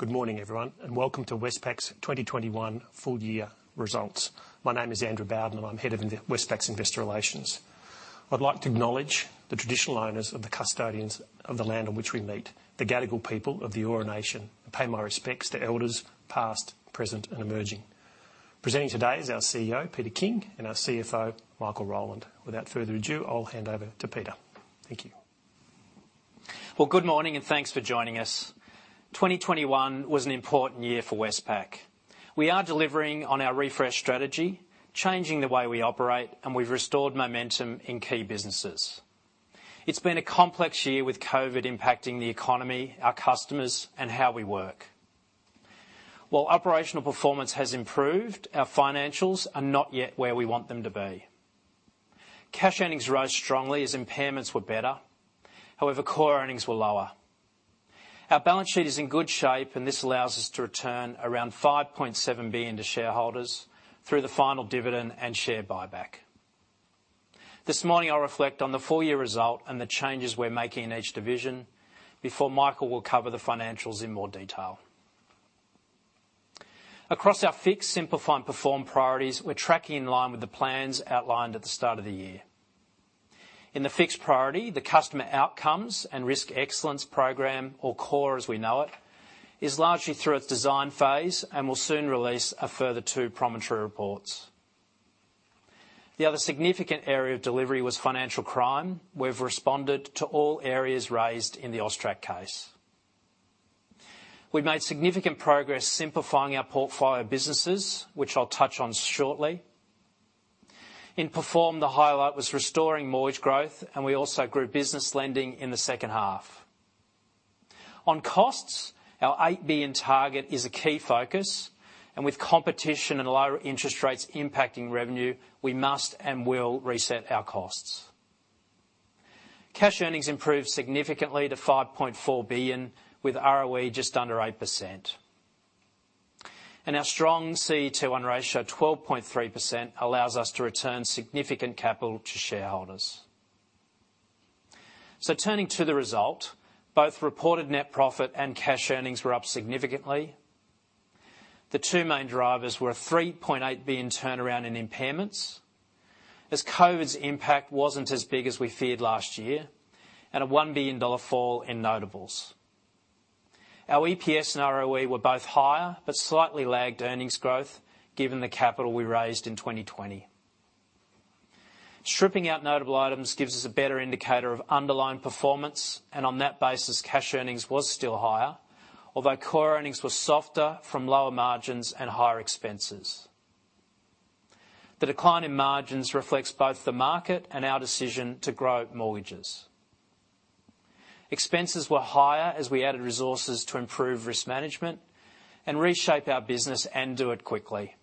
Good morning, everyone, and welcome to Westpac's 2021 Full Year Results. My name is Andrew Bowden, and I'm head of Investor Relations, Westpac. I'd like to acknowledge the traditional owners and the custodians of the land on which we meet, the Gadigal people of the Eora nation, and pay my respects to elders past, present, and emerging. Presenting today is our CEO, Peter King, and our CFO, Michael Rowland. Without further ado, I'll hand over to Peter. Thank you. Well, good morning, and thanks for joining us. 2021 was an important year for Westpac. We are delivering on our refresh strategy, changing the way we operate, and we've restored momentum in key businesses. It's been a complex year with COVID impacting the economy, our customers, and how we work. While operational performance has improved, our financials are not yet where we want them to be. Cash earnings rose strongly as impairments were better, however, core earnings were lower. Our balance sheet is in good shape, and this allows us to return around 5.7 billion to shareholders through the final dividend and share buyback. This morning I'll reflect on the full year result and the changes we're making in each division before Michael will cover the financials in more detail. Across our Fix, Simplify and Perform priorities, we're tracking in line with the plans outlined at the start of the year. In the Fix priority, the customer outcomes and risk excellence program, or CORE as we know it, is largely through its design phase and will soon release a further two Promontory reports. The other significant area of delivery was financial crime. We've responded to all areas raised in the AUSTRAC case. We've made significant progress simplifying our portfolio of businesses, which I'll touch on shortly. In Perform, the highlight was restoring mortgage growth, and we also grew business lending in the second half. On costs, our 8 billion target is a key focus, and with competition and lower interest rates impacting revenue, we must and will reset our costs. Cash earnings improved significantly to 5.4 billion, with ROE just under 8%. Our strong CET1 ratio, 12.3%, allows us to return significant capital to shareholders. Turning to the result, both reported net profit and cash earnings were up significantly. The two main drivers were an 3.8 billion turnaround in impairments, as COVID's impact wasn't as big as we feared last year, and an 1 billion dollar fall in notables. Our EPS and ROE were both higher, but slightly lagged earnings growth given the capital we raised in 2020. Stripping out notable items gives us a better indicator of underlying performance, and on that basis, cash earnings was still higher, although core earnings were softer from lower margins and higher expenses. The decline in margins reflects both the market and our decision to grow mortgages. Expenses were higher as we added resources to improve risk management and reshape our business and do it quickly.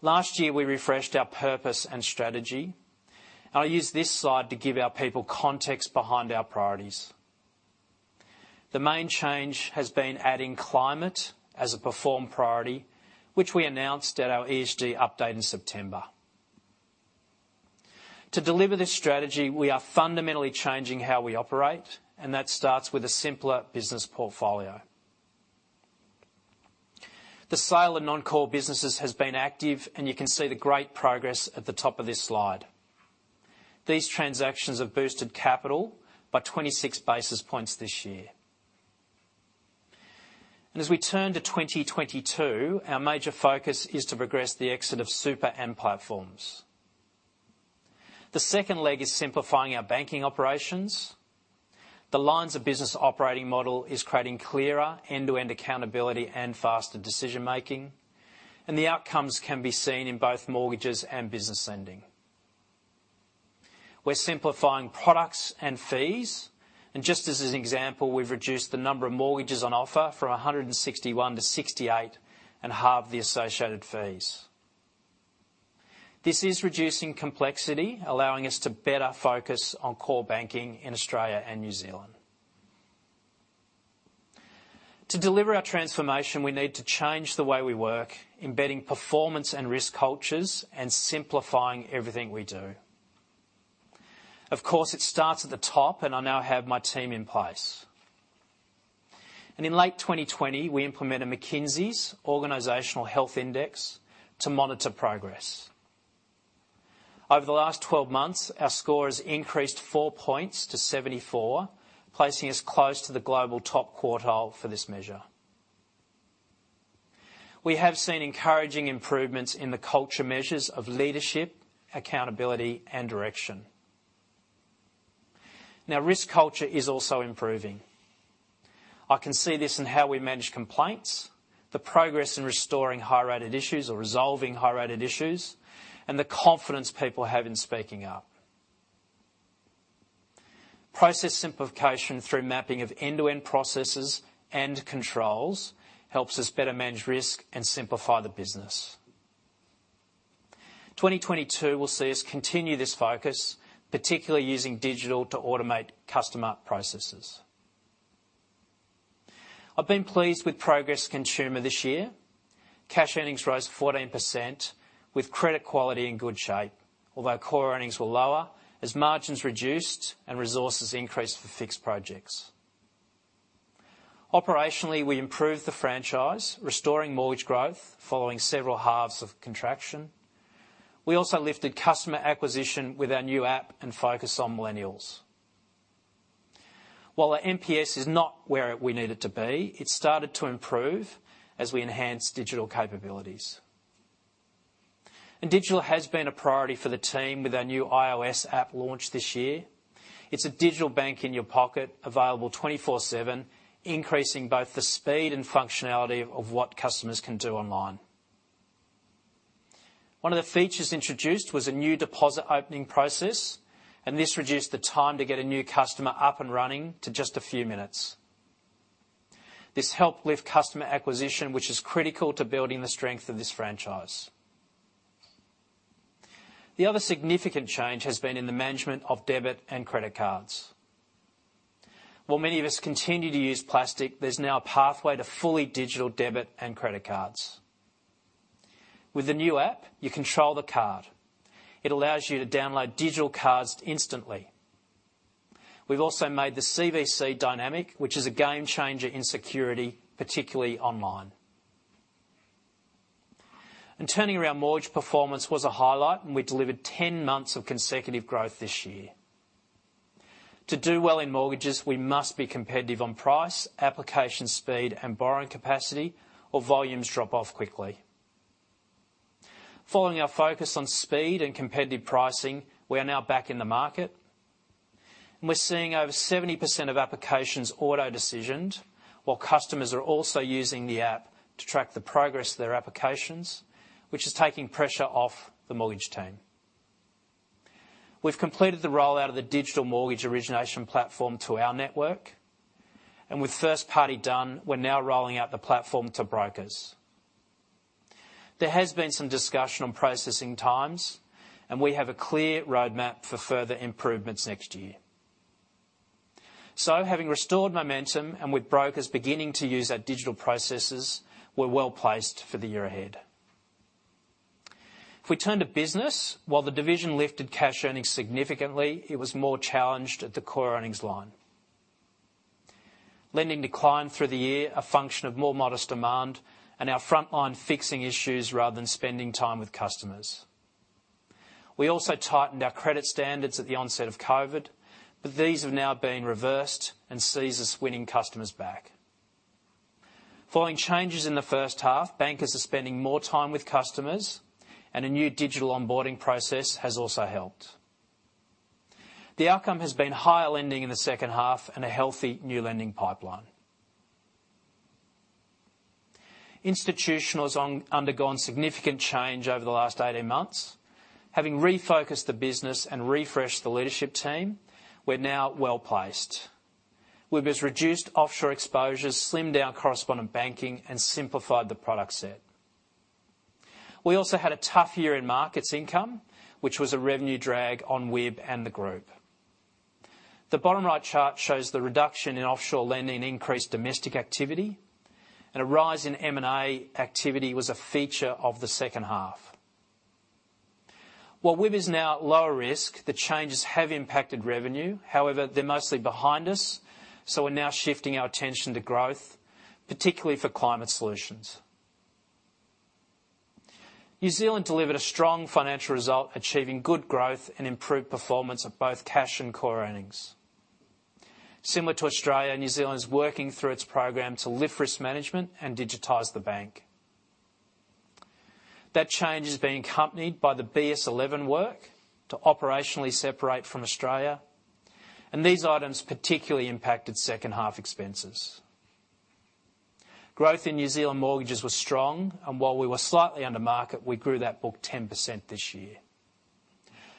Last year, we refreshed our purpose and strategy. I'll use this slide to give our people context behind our priorities. The main change has been adding climate as a performance priority, which we announced at our ESG update in September. To deliver this strategy, we are fundamentally changing how we operate, and that starts with a simpler business portfolio. The sale of non-core businesses has been active, and you can see the great progress at the top of this slide. These transactions have boosted capital by 26 basis points this year. As we turn to 2022, our major focus is to progress the exit of Super and Platforms. The second leg is simplifying our banking operations. The lines of business operating model is creating clearer end-to-end accountability and faster decision-making, and the outcomes can be seen in both mortgages and business lending. We're simplifying products and fees, and just as an example, we've reduced the number of mortgages on offer from 161 to 68 and halved the associated fees. This is reducing complexity, allowing us to better focus on core banking in Australia and New Zealand. To deliver our transformation, we need to change the way we work, embedding performance and risk cultures and simplifying everything we do. Of course, it starts at the top and I now have my team in place. In late 2020, we implemented McKinsey's Organizational Health Index to monitor progress. Over the last 12 months, our score has increased four points to 74, placing us close to the global top quartile for this measure. We have seen encouraging improvements in the culture measures of leadership, accountability, and direction. Now, risk culture is also improving. I can see this in how we manage complaints, the progress in restoring high-rated issues or resolving high-rated issues, and the confidence people have in speaking up. Process simplification through mapping of end-to-end processes and controls helps us better manage risk and simplify the business. 2022 will see us continue this focus, particularly using digital to automate customer processes. I've been pleased with progress in consumer this year. Cash earnings rose 14% with credit quality in good shape. Although core earnings were lower as margins reduced and resources increased for fixed projects. Operationally, we improved the franchise, restoring mortgage growth following several halves of contraction. We also lifted customer acquisition with our new app and focus on millennials. While our NPS is not where we need it to be, it started to improve as we enhanced digital capabilities. Digital has been a priority for the team with our new iOS app launch this year. It's a digital bank in your pocket, available 24/7, increasing both the speed and functionality of what customers can do online. One of the features introduced was a new deposit opening process, and this reduced the time to get a new customer up and running to just a few minutes. This helped lift customer acquisition, which is critical to building the strength of this franchise. The other significant change has been in the management of debit and credit cards. While many of us continue to use plastic, there's now a pathway to fully digital debit and credit cards. With the new app, you control the card. It allows you to download digital cards instantly. We've also made the CVC dynamic, which is a game changer in security, particularly online. Turning around mortgage performance was a highlight, and we delivered 10 months of consecutive growth this year. To do well in mortgages, we must be competitive on price, application speed, and borrowing capacity or volumes drop off quickly. Following our focus on speed and competitive pricing, we are now back in the market. We're seeing over 70% of applications auto-decisioned, while customers are also using the app to track the progress of their applications, which is taking pressure off the mortgage team. We've completed the rollout of the digital mortgage origination platform to our network, and with first party done, we're now rolling out the platform to brokers. There has been some discussion on processing times, and we have a clear roadmap for further improvements next year. Having restored momentum and with brokers beginning to use our digital processes, we're well-placed for the year ahead. If we turn to business, while the division lifted cash earnings significantly, it was more challenged at the core earnings line. Lending declined through the year, a function of more modest demand and our frontline fixing issues rather than spending time with customers. We also tightened our credit standards at the onset of COVID, but these have now been reversed and sees us winning customers back. Following changes in the first half, bankers are spending more time with customers, and a new digital onboarding process has also helped. The outcome has been higher lending in the second half and a healthy new lending pipeline. Institutional has undergone significant change over the last 18 months. Having refocused the business and refreshed the leadership team, we're now well-placed. We've just reduced offshore exposures, slimmed down correspondent banking, and simplified the product set. We also had a tough year in markets income, which was a revenue drag on WIB and the group. The bottom right chart shows the reduction in offshore lending, increased domestic activity, and a rise in M&A activity was a feature of the second half. While WIB is now at lower risk, the changes have impacted revenue. However, they're mostly behind us, so we're now shifting our attention to growth, particularly for climate solutions. New Zealand delivered a strong financial result, achieving good growth and improved performance of both cash and core earnings. Similar to Australia, New Zealand is working through its program to lift risk management and digitize the bank. That change is being accompanied by the BS11 work to operationally separate from Australia, and these items particularly impacted second half expenses. Growth in New Zealand mortgages was strong, and while we were slightly under market, we grew that book 10% this year.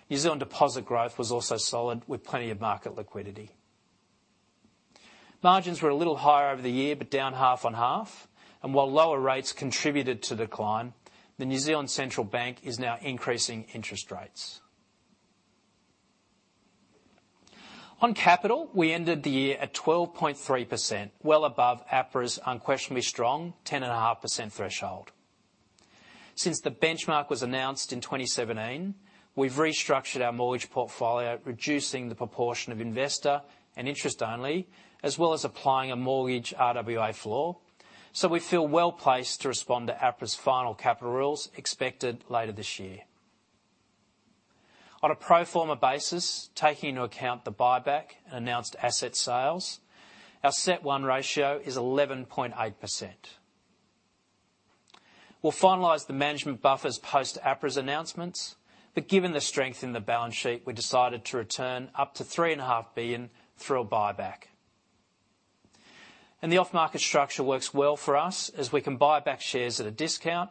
New Zealand deposit growth was also solid, with plenty of market liquidity. Margins were a little higher over the year, but down half on half. While lower rates contributed to decline, the New Zealand Central Bank is now increasing interest rates. On capital, we ended the year at 12.3%, well above APRA's unquestionably strong 10.5% threshold. Since the benchmark was announced in 2017, we've restructured our mortgage portfolio, reducing the proportion of investor and interest only, as well as applying a mortgage RWA floor. We feel well-placed to respond to APRA's final capital rules expected later this year. On a pro forma basis, taking into account the buyback and announced asset sales, our CET1 ratio is 11.8%. We'll finalize the management buffers post APRA's announcements, but given the strength in the balance sheet, we decided to return up to 3.5 billion through a buyback. The off-market structure works well for us as we can buy back shares at a discount,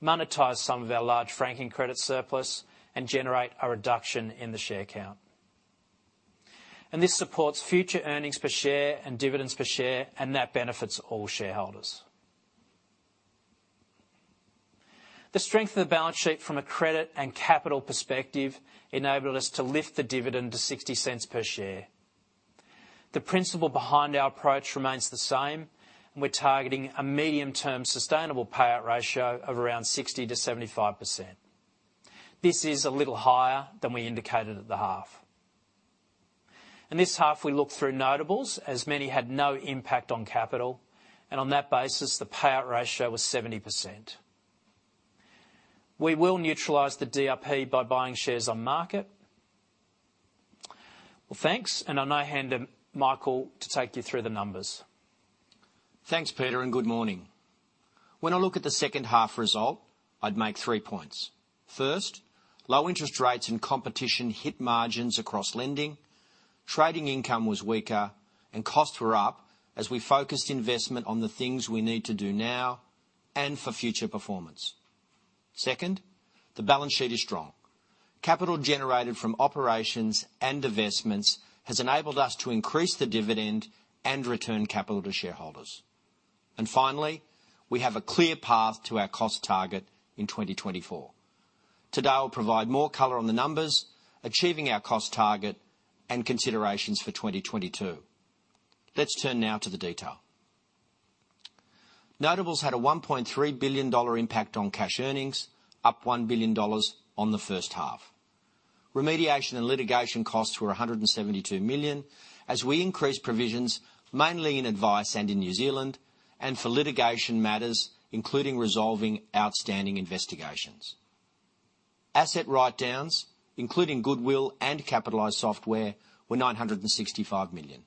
monetize some of our large franking credit surplus, and generate a reduction in the share count. This supports future earnings per share and dividends per share, and that benefits all shareholders. The strength of the balance sheet from a credit and capital perspective enabled us to lift the dividend to 0.60 per share. The principle behind our approach remains the same, and we're targeting a medium-term sustainable payout ratio of around 60%-75%. This is a little higher than we indicated at the half. In this half, we looked through notables, as many had no impact on capital, and on that basis, the payout ratio was 70%. We will neutralize the DRP by buying shares on market. Well, thanks, and I'll now hand to Michael to take you through the numbers. Thanks, Peter, and good morning. When I look at the second-half result, I'd make three points. First, low interest rates and competition hit margins across lending. Trading income was weaker and costs were up as we focused investment on the things we need to do now and for future performance. Second, the balance sheet is strong. Capital generated from operations and investments has enabled us to increase the dividend and return capital to shareholders. Finally, we have a clear path to our cost target in 2024. Today, I'll provide more color on the numbers, achieving our cost target, and considerations for 2022. Let's turn now to the detail. Notables had an 1.3 billion dollar impact on cash earnings, up 1 billion dollars on the first half. Remediation and litigation costs were 172 million as we increased provisions, mainly in advice and in New Zealand and for litigation matters, including resolving outstanding investigations. Asset writedowns, including goodwill and capitalized software, were 965 million.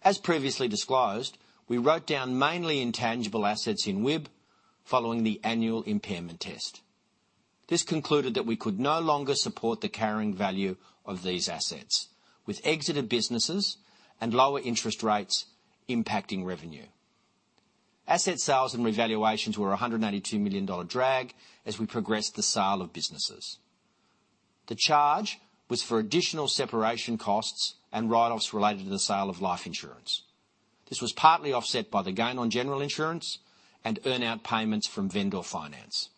As previously disclosed, we wrote down mainly intangible assets in WIB following the annual impairment test. This concluded that we could no longer support the carrying value of these assets, with exited businesses and lower interest rates impacting revenue. Asset sales and revaluations were an 182 million-dollar drag as we progressed the sale of businesses. The charge was for additional separation costs and write-offs related to the sale of life insurance. This was partly offset by the gain on general insurance and earn-out payments from vendor finance.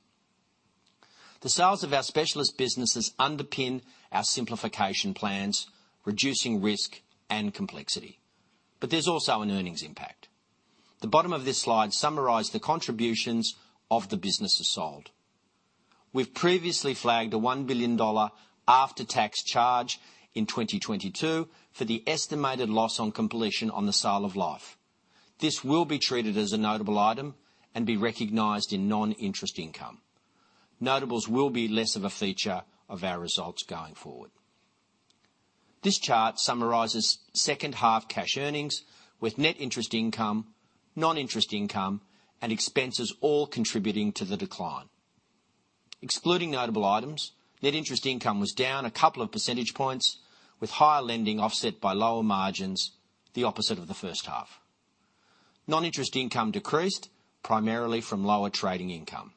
The sales of our specialist businesses underpin our simplification plans, reducing risk and complexity, but there's also an earnings impact. The bottom of this slide summarize the contributions of the businesses sold. We've previously flagged an 1 billion dollar after-tax charge in 2022 for the estimated loss on completion on the sale of life. This will be treated as a notable item and be recognized in non-interest income. Notables will be less of a feature of our results going forward. This chart summarizes second-half cash earnings with net interest income, non-interest income, and expenses all contributing to the decline. Excluding notable items, net interest income was down a couple of percentage points, with higher lending offset by lower margins, the opposite of the first half. Non-interest income decreased, primarily from lower trading income.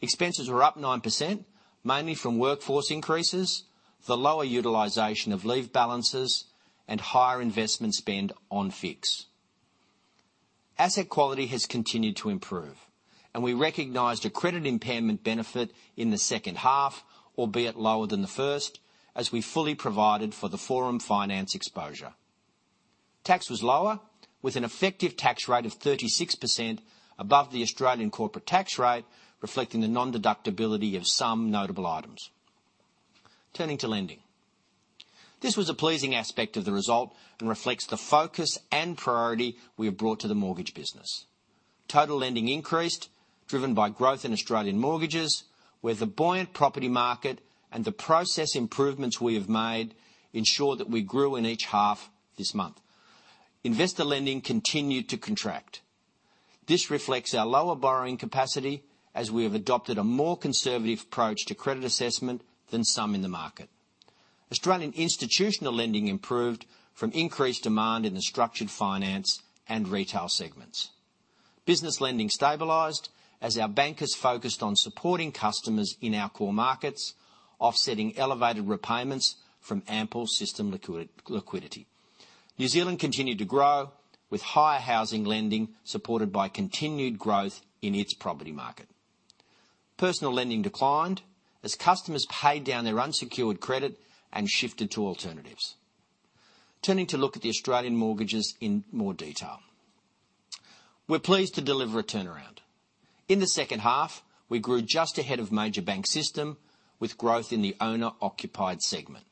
Expenses were up 9%, mainly from workforce increases, the lower utilization of leave balances, and higher investment spend on FIX. Asset quality has continued to improve, and we recognized a credit impairment benefit in the second half, albeit lower than the first, as we fully provided for the Forum Finance exposure. Tax was lower, with an effective tax rate of 36% above the Australian corporate tax rate, reflecting the nondeductibility of some Notable items. Turning to lending. This was a pleasing aspect of the result and reflects the focus and priority we have brought to the mortgage business. Total lending increased, driven by growth in Australian mortgages, where the buoyant property market and the process improvements we have made ensure that we grew in each half this year. Investor lending continued to contract. This reflects our lower borrowing capacity, as we have adopted a more conservative approach to credit assessment than some in the market. Australian institutional lending improved from increased demand in the structured finance and retail segments. Business lending stabilized as our bankers focused on supporting customers in our core markets, offsetting elevated repayments from ample system liquidity. New Zealand continued to grow, with higher housing lending supported by continued growth in its property market. Personal lending declined as customers paid down their unsecured credit and shifted to alternatives. Turning to look at the Australian mortgages in more detail. We're pleased to deliver a turnaround. In the second half, we grew just ahead of major bank system with growth in the owner-occupied segment.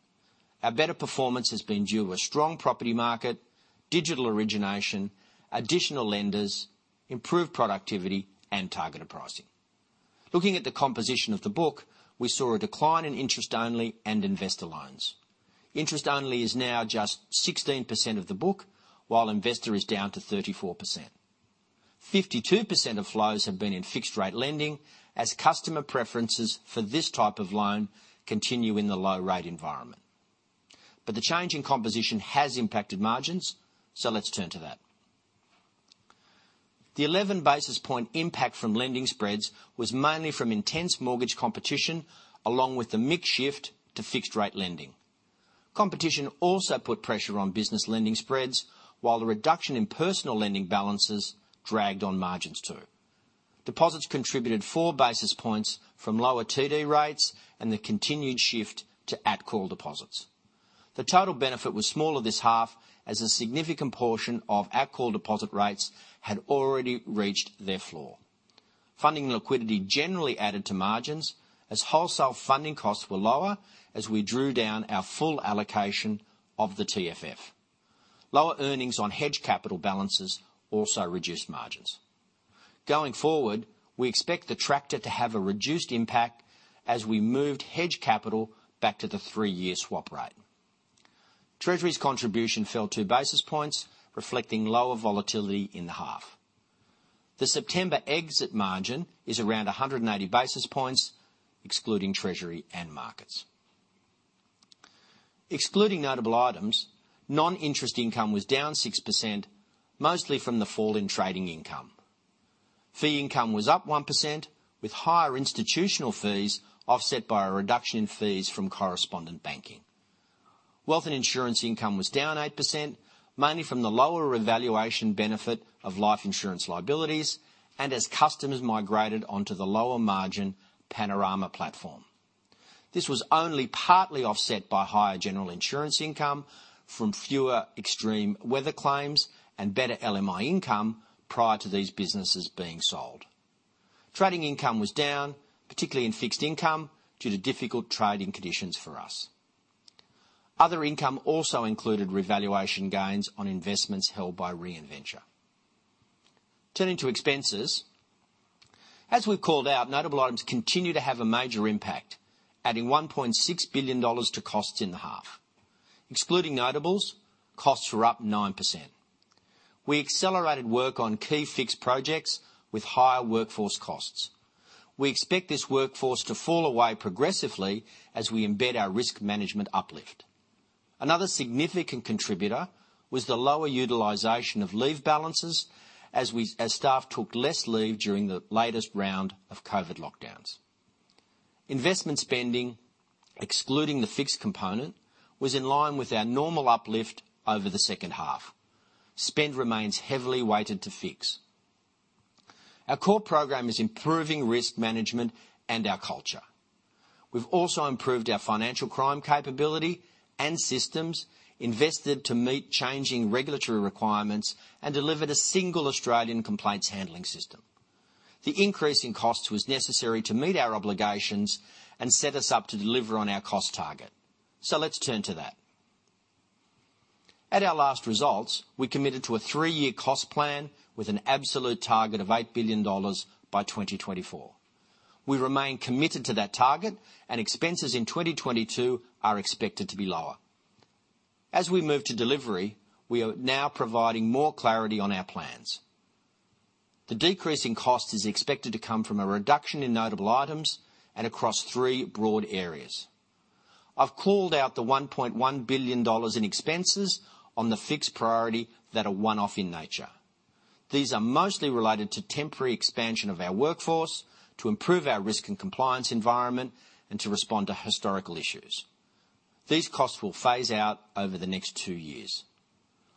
Our better performance has been due to a strong property market, digital origination, additional lenders, improved productivity, and targeted pricing. Looking at the composition of the book, we saw a decline in interest only and investor loans. Interest only is now just 16% of the book, while investor is down to 34%. 52% of flows have been in fixed rate lending as customer preferences for this type of loan continue in the low rate environment. The change in composition has impacted margins, so let's turn to that. The 11-basis-point impact from lending spreads was mainly from intense mortgage competition, along with the mix shift to fixed rate lending. Competition also put pressure on business lending spreads, while the reduction in personal lending balances dragged on margins too. Deposits contributed 4 basis points from lower TD rates and the continued shift to at-call deposits. The total benefit was smaller this half as a significant portion of at-call deposit rates had already reached their floor. Funding liquidity generally added to margins as wholesale funding costs were lower as we drew down our full allocation of the TFF. Lower earnings on hedged capital balances also reduced margins. Going forward, we expect the detractor to have a reduced impact as we moved hedged capital back to the three-year swap rate. Treasury's contribution fell 2 basis points, reflecting lower volatility in the half. The September exit margin is around 180 basis points, excluding treasury and markets. Excluding notable items, non-interest income was down 6%, mostly from the fall in trading income. Fee income was up 1%, with higher institutional fees offset by a reduction in fees from correspondent banking. Wealth and insurance income was down 8%, mainly from the lower valuation benefit of life insurance liabilities and as customers migrated onto the lower margin Panorama platform. This was only partly offset by higher general insurance income from fewer extreme weather claims and better LMI income prior to these businesses being sold. Trading income was down, particularly in fixed income, due to difficult trading conditions for us. Other income also included revaluation gains on investments held by Reinventure. Turning to expenses. As we've called out, notable items continue to have a major impact, adding 1.6 billion dollars to costs in the half. Excluding notables, costs were up 9%. We accelerated work on key fix projects with higher workforce costs. We expect this workforce to fall away progressively as we embed our risk management uplift. Another significant contributor was the lower utilization of leave balances as staff took less leave during the latest round of COVID lockdowns. Investment spending, excluding the fixed component, was in line with our normal uplift over the second half. Spend remains heavily weighted to fix. Our core program is improving risk management and our culture. We've also improved our financial crime capability and systems, invested to meet changing regulatory requirements, and delivered a single Australian complaints handling system. The increase in costs was necessary to meet our obligations and set us up to deliver on our cost target. Let's turn to that. At our last results, we committed to a three-year cost plan with an absolute target of 8 billion dollars by 2024. We remain committed to that target, and expenses in 2022 are expected to be lower. As we move to delivery, we are now providing more clarity on our plans. The decrease in cost is expected to come from a reduction in notable items and across three broad areas. I've called out the 1.1 billion dollars in expenses on the fixed priority that are one-off in nature. These are mostly related to temporary expansion of our workforce, to improve our risk and compliance environment, and to respond to historical issues. These costs will phase out over the next 2 years.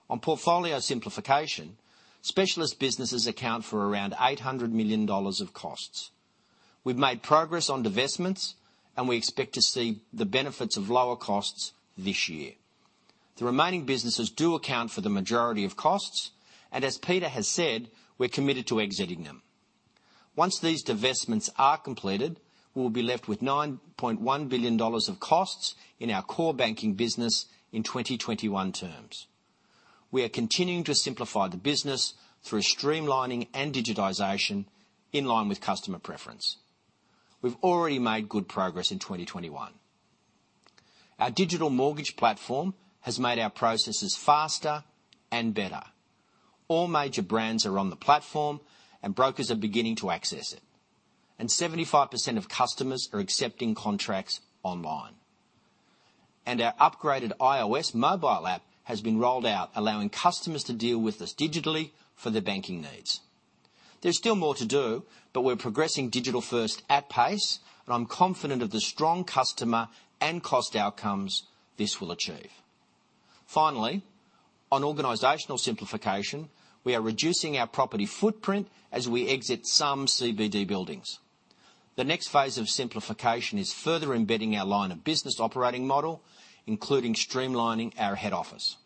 On portfolio simplification, specialist businesses account for around 800 million dollars of costs. We've made progress on divestments, and we expect to see the benefits of lower costs this year. The remaining businesses do account for the majority of costs, and as Peter has said, we're committed to exiting them. Once these divestments are completed, we'll be left with 9.1 billion dollars of costs in our core banking business in 2021 terms. We are continuing to simplify the business through streamlining and digitization in line with customer preference. We've already made good progress in 2021. Our digital mortgage platform has made our processes faster and better. All major brands are on the platform, and brokers are beginning to access it. Seventy-five percent of customers are accepting contracts online. Our upgraded iOS mobile app has been rolled out, allowing customers to deal with us digitally for their banking needs. There's still more to do, but we're progressing digital first at pace, and I'm confident of the strong customer and cost outcomes this will achieve. Finally, on organizational simplification, we are reducing our property footprint as we exit some CBD buildings. The next phase of simplification is further embedding our line of business operating model, including streamlining our head office.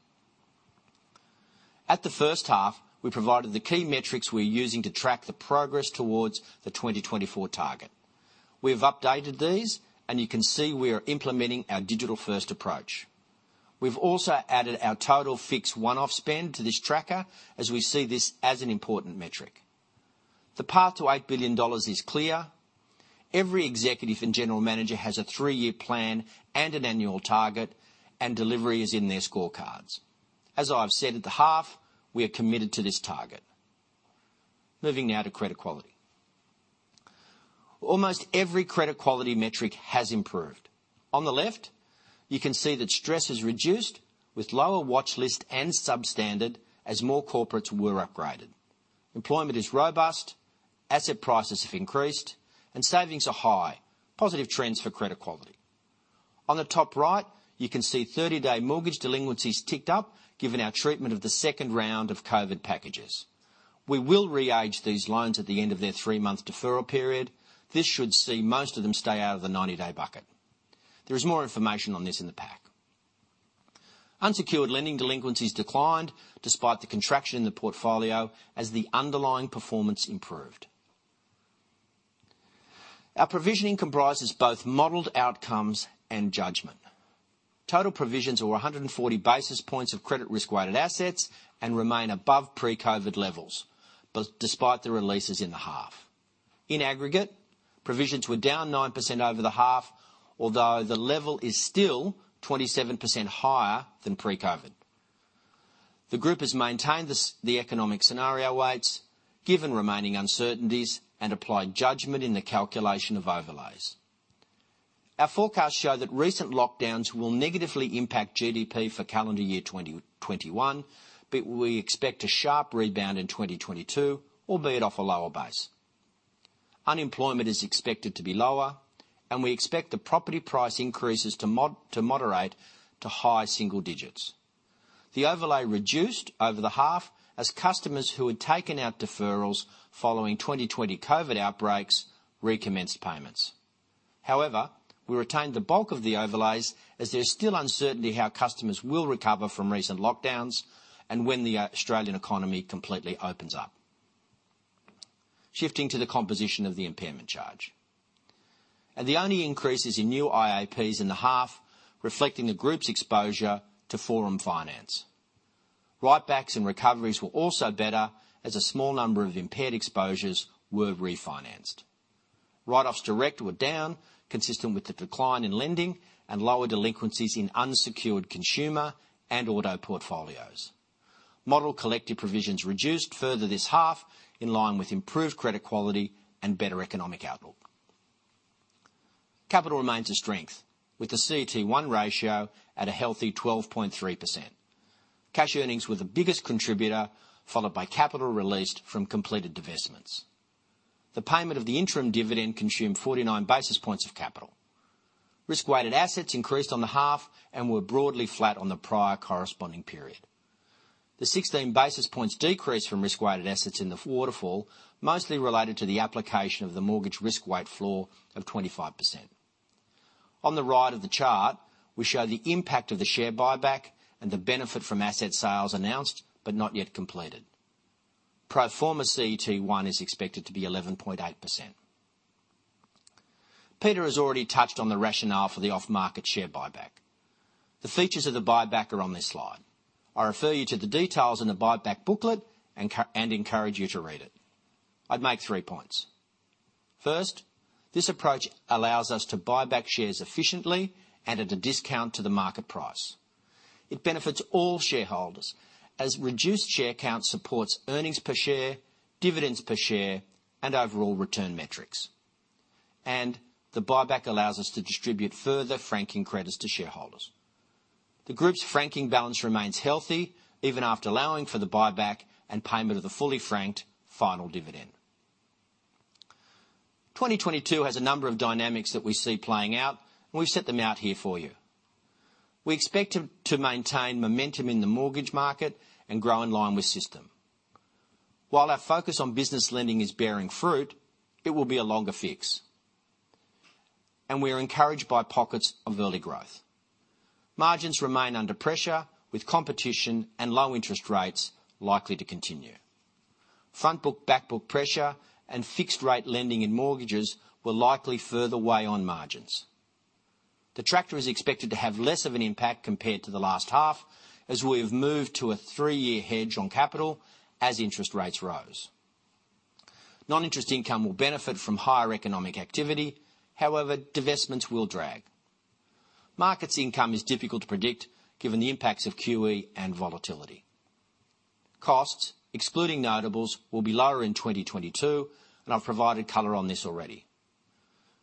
At the first half, we provided the key metrics we're using to track the progress towards the 2024 target. We have updated these, and you can see we are implementing our digital-first approach. We've also added our total fixed one-off spend to this tracker as we see this as an important metric. The path to 8 billion dollars is clear. Every executive and general manager has a 3-year plan and an annual target, and delivery is in their scorecards. As I've said at the half, we are committed to this target. Moving now to credit quality. Almost every credit quality metric has improved. On the left, you can see that stress is reduced with lower watchlist and substandard as more corporates were upgraded. Employment is robust, asset prices have increased, and savings are high. Positive trends for credit quality. On the top right, you can see 30-day mortgage delinquencies ticked up given our treatment of the second round of COVID packages. We will re-age these loans at the end of their 3-month deferral period. This should see most of them stay out of the 90-day bucket. There is more information on this in the pack. Unsecured lending delinquencies declined despite the contraction in the portfolio as the underlying performance improved. Our provisioning comprises both modeled outcomes and judgment. Total provisions were 140 basis points of credit risk-weighted assets and remain above pre-COVID levels, but despite the releases in the half. In aggregate, provisions were down 9% over the half, although the level is still 27% higher than pre-COVID. The group has maintained the economic scenario weights given remaining uncertainties and applied judgment in the calculation of overlays. Our forecasts show that recent lockdowns will negatively impact GDP for calendar year 2021, but we expect a sharp rebound in 2022, albeit off a lower base. Unemployment is expected to be lower, and we expect the property price increases to moderate to high single digits. The overlay reduced over the half as customers who had taken out deferrals following 2020 COVID outbreaks recommenced payments. However, we retained the bulk of the overlays as there's still uncertainty how customers will recover from recent lockdowns and when the Australian economy completely opens up. Shifting to the composition of the impairment charge, the only increases were in new IAPs in the half, reflecting the group's exposure to Forum Finance. Write-backs and recoveries were also better as a small number of impaired exposures were refinanced. Write-offs direct were down, consistent with the decline in lending and lower delinquencies in unsecured consumer and auto portfolios. Model collective provisions reduced further this half in line with improved credit quality and better economic outlook. Capital remains a strength, with the CET1 ratio at a healthy 12.3%. Cash earnings were the biggest contributor, followed by capital released from completed divestments. The payment of the interim dividend consumed 49 basis points of capital. Risk-weighted assets increased on the half and were broadly flat on the prior corresponding period. The 16 basis points decreased from risk-weighted assets in the waterfall, mostly related to the application of the mortgage risk weight floor of 25%. On the right of the chart, we show the impact of the share buyback and the benefit from asset sales announced but not yet completed. Pro forma CET1 is expected to be 11.8%. Peter has already touched on the rationale for the off-market share buyback. The features of the buyback are on this slide. I refer you to the details in the buyback booklet and encourage you to read it. I'd make three points. First, this approach allows us to buy back shares efficiently and at a discount to the market price. It benefits all shareholders, as reduced share count supports earnings per share, dividends per share, and overall return metrics. The buyback allows us to distribute further franking credits to shareholders. The group's franking balance remains healthy even after allowing for the buyback and payment of the fully franked final dividend. 2022 has a number of dynamics that we see playing out, and we've set them out here for you. We expect to maintain momentum in the mortgage market and grow in line with system. While our focus on business lending is bearing fruit, it will be a longer fix. We are encouraged by pockets of early growth. Margins remain under pressure with competition and low interest rates likely to continue. Front book/back book pressure and fixed rate lending in mortgages will likely further weigh on margins. Detractor is expected to have less of an impact compared to the last half as we have moved to a three-year hedge on capital as interest rates rose. Non-interest income will benefit from higher economic activity, however, divestments will drag. Markets income is difficult to predict given the impacts of QE and volatility. Costs, excluding notables, will be lower in 2022, and I've provided color on this already.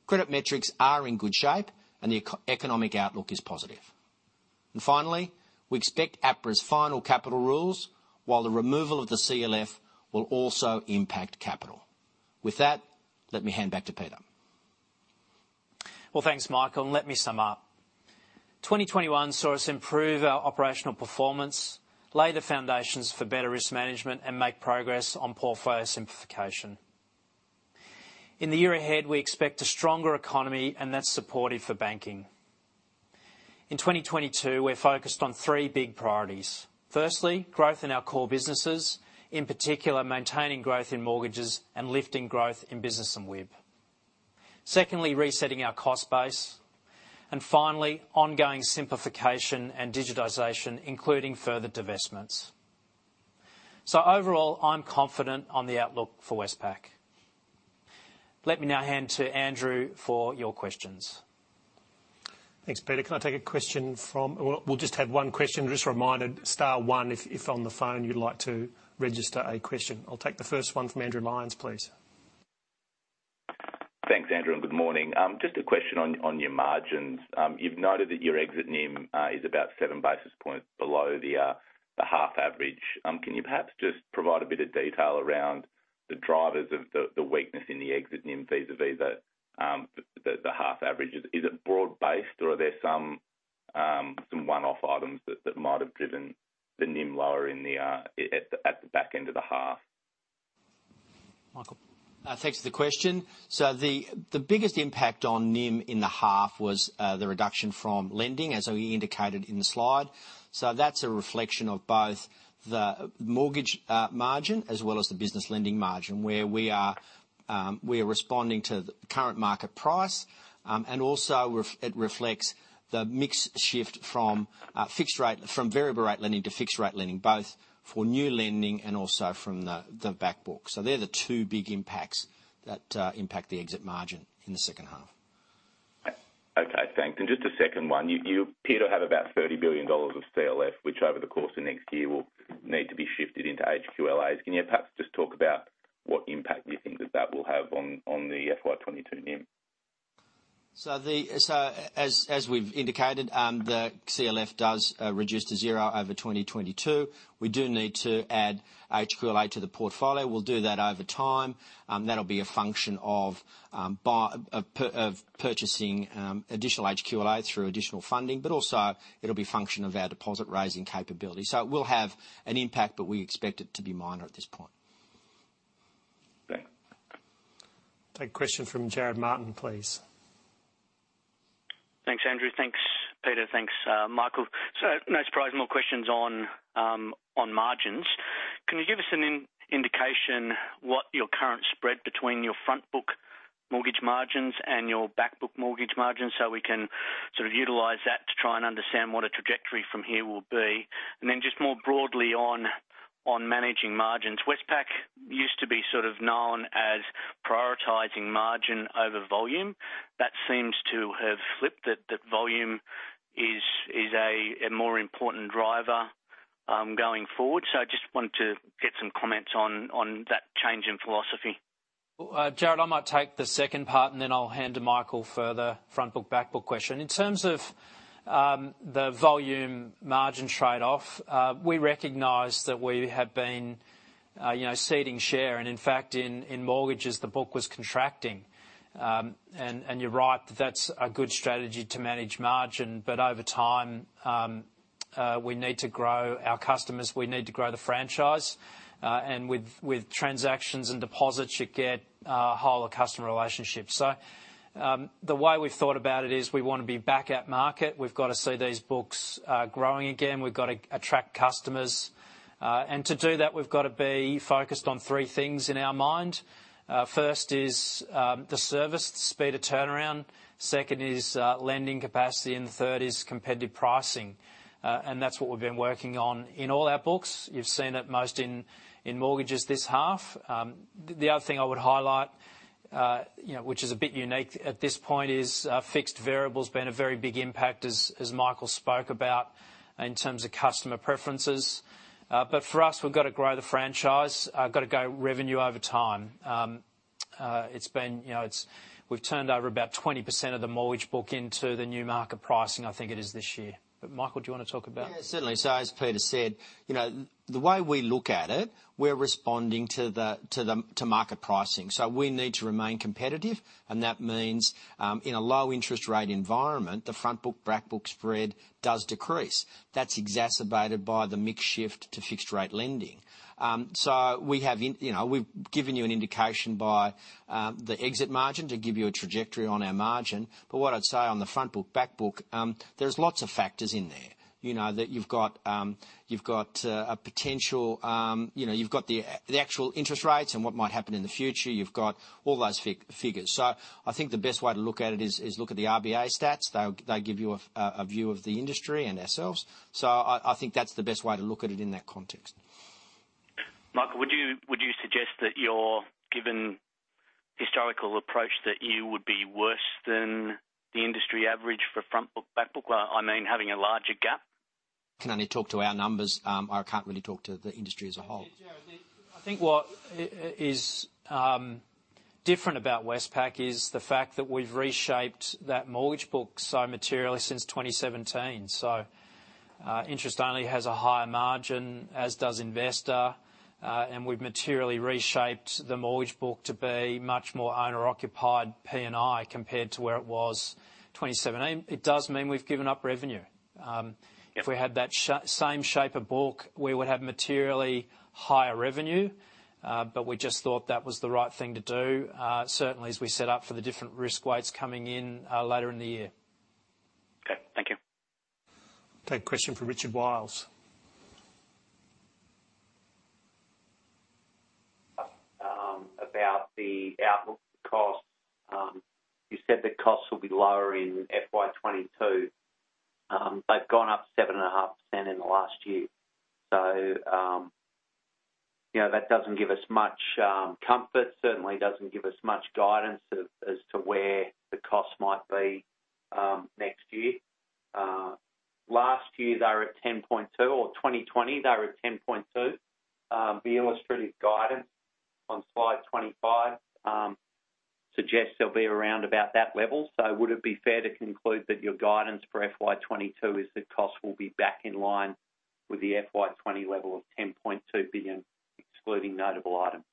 Credit metrics are in good shape, and the economic outlook is positive. Finally, we expect APRA's final capital rules, while the removal of the CLF will also impact capital. With that, let me hand back to Peter. Well, thanks, Michael, and let me sum up. 2021 saw us improve our operational performance, lay the foundations for better risk management, and make progress on portfolio simplification. In the year ahead, we expect a stronger economy, and that's supportive for banking. In 2022, we're focused on three big priorities. Firstly, growth in our core businesses, in particular, maintaining growth in mortgages and lifting growth in business and WIB. Secondly, resetting our cost base. And finally, ongoing simplification and digitization, including further divestments. Overall, I'm confident on the outlook for Westpac. Let me now hand to Andrew for your questions. Thanks, Peter. We'll just have one question. Just a reminder, star one if on the phone you'd like to register a question. I'll take the first one from Andrew Lyons, please. Thanks, Andrew, and good morning. Just a question on your margins. You've noted that your exit NIM is about seven basis points below the half average. Can you perhaps just provide a bit of detail around the drivers of the weakness in the exit NIM vis-à-vis the half average? Is it broad-based, or are there some one-off items that might have driven the NIM lower at the back end of the half? Michael. Thanks for the question. The biggest impact on NIM in the half was the reduction from lending, as we indicated in the slide. That's a reflection of both the mortgage margin as well as the business lending margin, where we are responding to the current market price. It reflects the mix shift from fixed rate, from variable rate lending to fixed rate lending, both for new lending and also from the back book. They're the two big impacts that impact the exit margin in the second half. Okay, thanks. Just a second one. You appear to have about 30 billion dollars of CLF, which over the course of next year will need to be shifted into HQLAs. Can you perhaps just talk about what impact you think that will have on the FY 2022 NIM? As we've indicated, the CLF does reduce to zero over 2022. We do need to add HQLA to the portfolio. We'll do that over time. That'll be a function of purchasing additional HQLA through additional funding, but also it'll be function of our deposit-raising capability. It will have an impact, but we expect it to be minor at this point. Okay. Take a question from Jonathan Mott, please. Thanks, Andrew. Thanks, Peter. Thanks, Michael. No surprise, more questions on margins. Can you give us an indication what your current spread between your front book mortgage margins and your back book mortgage margins, so we can sort of utilize that to try and understand what a trajectory from here will be? Just more broadly on managing margins, Westpac used to be sort of known as prioritizing margin over volume. That seems to have flipped, that volume is a more important driver going forward. I just wanted to get some comments on that change in philosophy. Well, Jonathan, I might take the second part, and then I'll hand to Michael for the front book/back book question. In terms of the volume margin trade-off, we recognize that we have been, you know, ceding share. In fact, in mortgages, the book was contracting. You're right, that's a good strategy to manage margin. Over time, we need to grow our customers, we need to grow the franchise. With transactions and deposits, you get a whole of customer relationship. The way we've thought about it is we wanna be back at market. We've got to see these books growing again. We've got to attract customers. To do that, we've got to be focused on three things in our mind. First is the service, the speed of turnaround. Second is, lending capacity, and the third is competitive pricing. That's what we've been working on in all our books. You've seen it most in mortgages this half. The other thing I would highlight, you know, which is a bit unique at this point, is, fixed variable's been a very big impact, as Michael spoke about, in terms of customer preferences. For us, we've got to grow the franchise. Got to grow revenue over time. It's been, you know, we've turned over about 20% of the mortgage book into the new market pricing, I think it is this year. Michael, do you want to talk about it? Yeah, certainly. As Peter said, you know, the way we look at it, we're responding to the market pricing. We need to remain competitive, and that means, in a low interest rate environment, the front book/back book spread does decrease. That's exacerbated by the mix shift to fixed rate lending. We've given you an indication by the exit margin to give you a trajectory on our margin. What I'd say on the front book/back book, there's lots of factors in there. You know, that you've got a potential, you know, you've got the actual interest rates and what might happen in the future. You've got all those figures. I think the best way to look at it is look at the RBA stats. They give you a view of the industry and ourselves. I think that's the best way to look at it in that context. Michael, would you suggest that your given historical approach that you would be worse than the industry average for front book/back book? I mean, having a larger gap. Can only talk to our numbers. I can't really talk to the industry as a whole. Look, Jonathan Mott, I think what is different about Westpac is the fact that we've reshaped that mortgage book so materially since 2017. Interest only has a higher margin, as does investor, and we've materially reshaped the mortgage book to be much more owner-occupied P&I compared to where it was 2017. It does mean we've given up revenue. If we had that same shape of book, we would have materially higher revenue. But we just thought that was the right thing to do, certainly as we set up for the different risk weights coming in later in the year. Okay, thank you. Take a question from Richard Wiles. About the outlook costs, you said the costs will be lower in FY 2022. They've gone up 7.5% in the last year. You know, that doesn't give us much comfort, certainly doesn't give us much guidance as to where the cost might be next year. Last year they were at 10.2, or 2020 they were at 10.2. The illustrative guidance on slide 25 suggests they'll be around about that level. Would it be fair to conclude that your guidance for FY 2022 is that costs will be back in line with the FY 2020 level of 10.2 billion excluding notable items?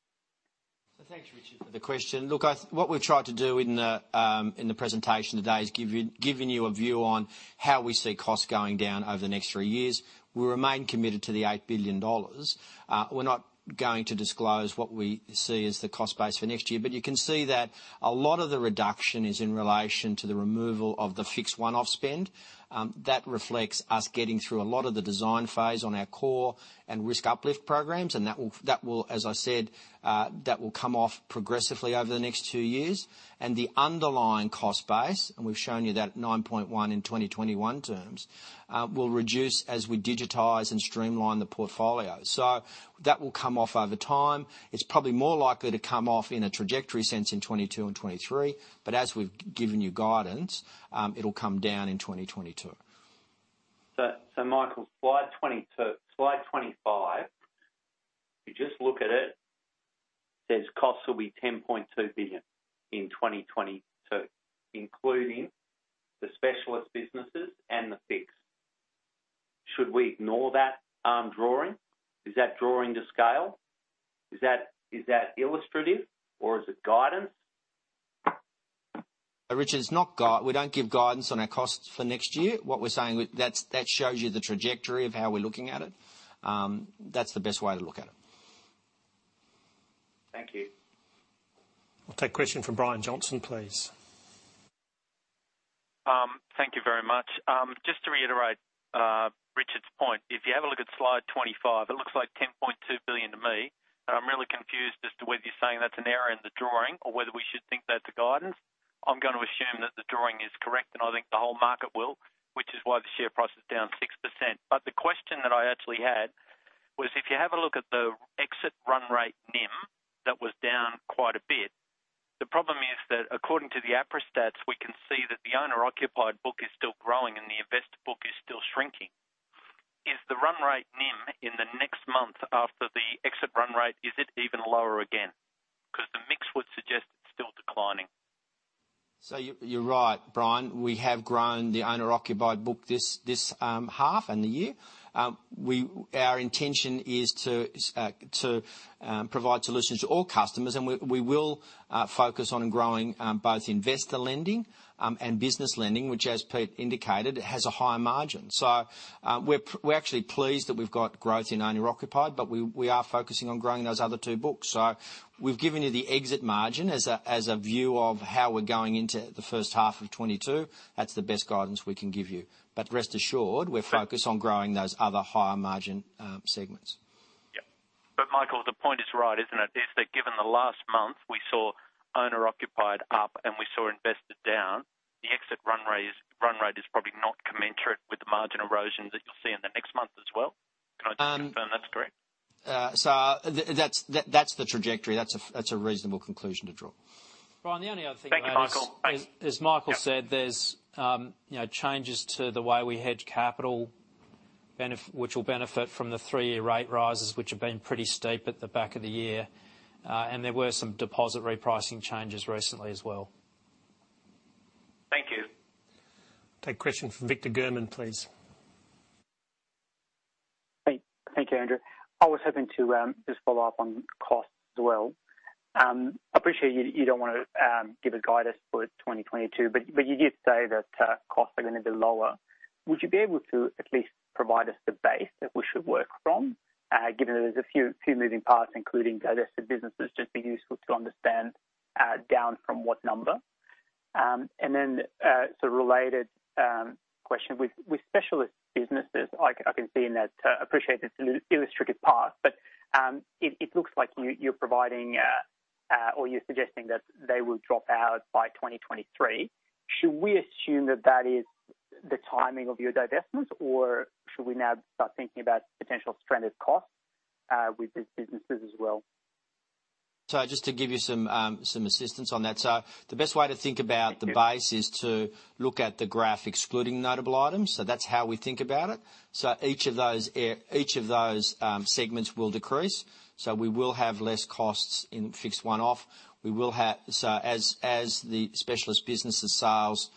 Thanks, Richard, for the question. Look, what we've tried to do in the presentation today is giving you a view on how we see costs going down over the next three years. We remain committed to the 8 billion dollars. We're not going to disclose what we see as the cost base for next year, but you can see that a lot of the reduction is in relation to the removal of the fixed one-off spend. That reflects us getting through a lot of the design phase on our core and risk uplift programs, and that will, as I said, come off progressively over the next two years. The underlying cost base, we've shown you that at 9.1 in 2021 terms, will reduce as we digitize and streamline the portfolio. That will come off over time. It's probably more likely to come off in a trajectory sense in 2022 and 2023, but as we've given you guidance, it'll come down in 2022. Michael, slide 22. Slide 25, if you just look at it, says costs will be AUD 10.2 billion in 2022, including the specialist businesses and the fixed. Should we ignore that drawing? Is that drawing to scale? Is that illustrative or is it guidance? Richard, we don't give guidance on our costs for next year. What we're saying, that shows you the trajectory of how we're looking at it. That's the best way to look at it. Thank you. We'll take question from Brian Johnson, please. Thank you very much. Just to reiterate, Richard's point, if you have a look at slide 25, it looks like 10.2 billion to me. But I'm really confused as to whether you're saying that's an error in the drawing or whether we should think that's a guidance. I'm going to assume that the drawing is correct, and I think the whole market will, which is why the share price is down 6%. But the question that I actually had was, if you have a look at the exit run rate NIM that was down quite a bit, the problem is that according to the APRA stats, we can see that the owner-occupied book is still growing and the investor book is still shrinking. Is the run rate NIM in the next month after the exit run rate, is it even lower again? Because the mix would suggest it's still declining. You're right, Brian. We have grown the owner-occupied book this half-year. Our intention is to provide solutions to all customers, and we will focus on growing both investor lending and business lending, which as Pete indicated, has a higher margin. We're actually pleased that we've got growth in owner-occupied, but we are focusing on growing those other two books. We've given you the exit margin as a view of how we're going into the first half of 2022. That's the best guidance we can give you. Rest assured, we're focused on growing those other higher margin segments. Michael, the point is right, isn't it? That is, given the last month, we saw owner-occupied up and we saw investor down, the existing run rate is probably not commensurate with the margin erosion that you'll see in the next month as well. Can I just confirm that's correct? That's the trajectory. That's a reasonable conclusion to draw. Brian, the only other thing I'd add is. Thank you, Michael. Thanks. As Michael said, there's, you know, changes to the way we hedge capital which will benefit from the three-year rate rises, which have been pretty steep at the back of the year. There were some deposit repricing changes recently as well. Thank you. Take question from Victor German, please. Thank you, Andrew. I was hoping to just follow up on costs as well. I appreciate you don't wanna give us guidance for 2022, but you did say that costs are gonna be lower. Would you be able to at least provide us the base that we should work from, given that there's a few moving parts, including divested businesses? Just be useful to understand down from what number? Then, sort of related question. With specialist businesses, I can see in that. Appreciate it's an illustrative part, but it looks like you're providing or you're suggesting that they will drop out by 2023. Should we assume that that is the timing of your divestments, or should we now start thinking about potential stranded costs, with these businesses as well? Just to give you some assistance on that. The best way to think about the base is to look at the graph excluding Notable Items. That's how we think about it. Each of those segments will decrease. We will have less costs in fixed & one-off. As the specialist businesses sales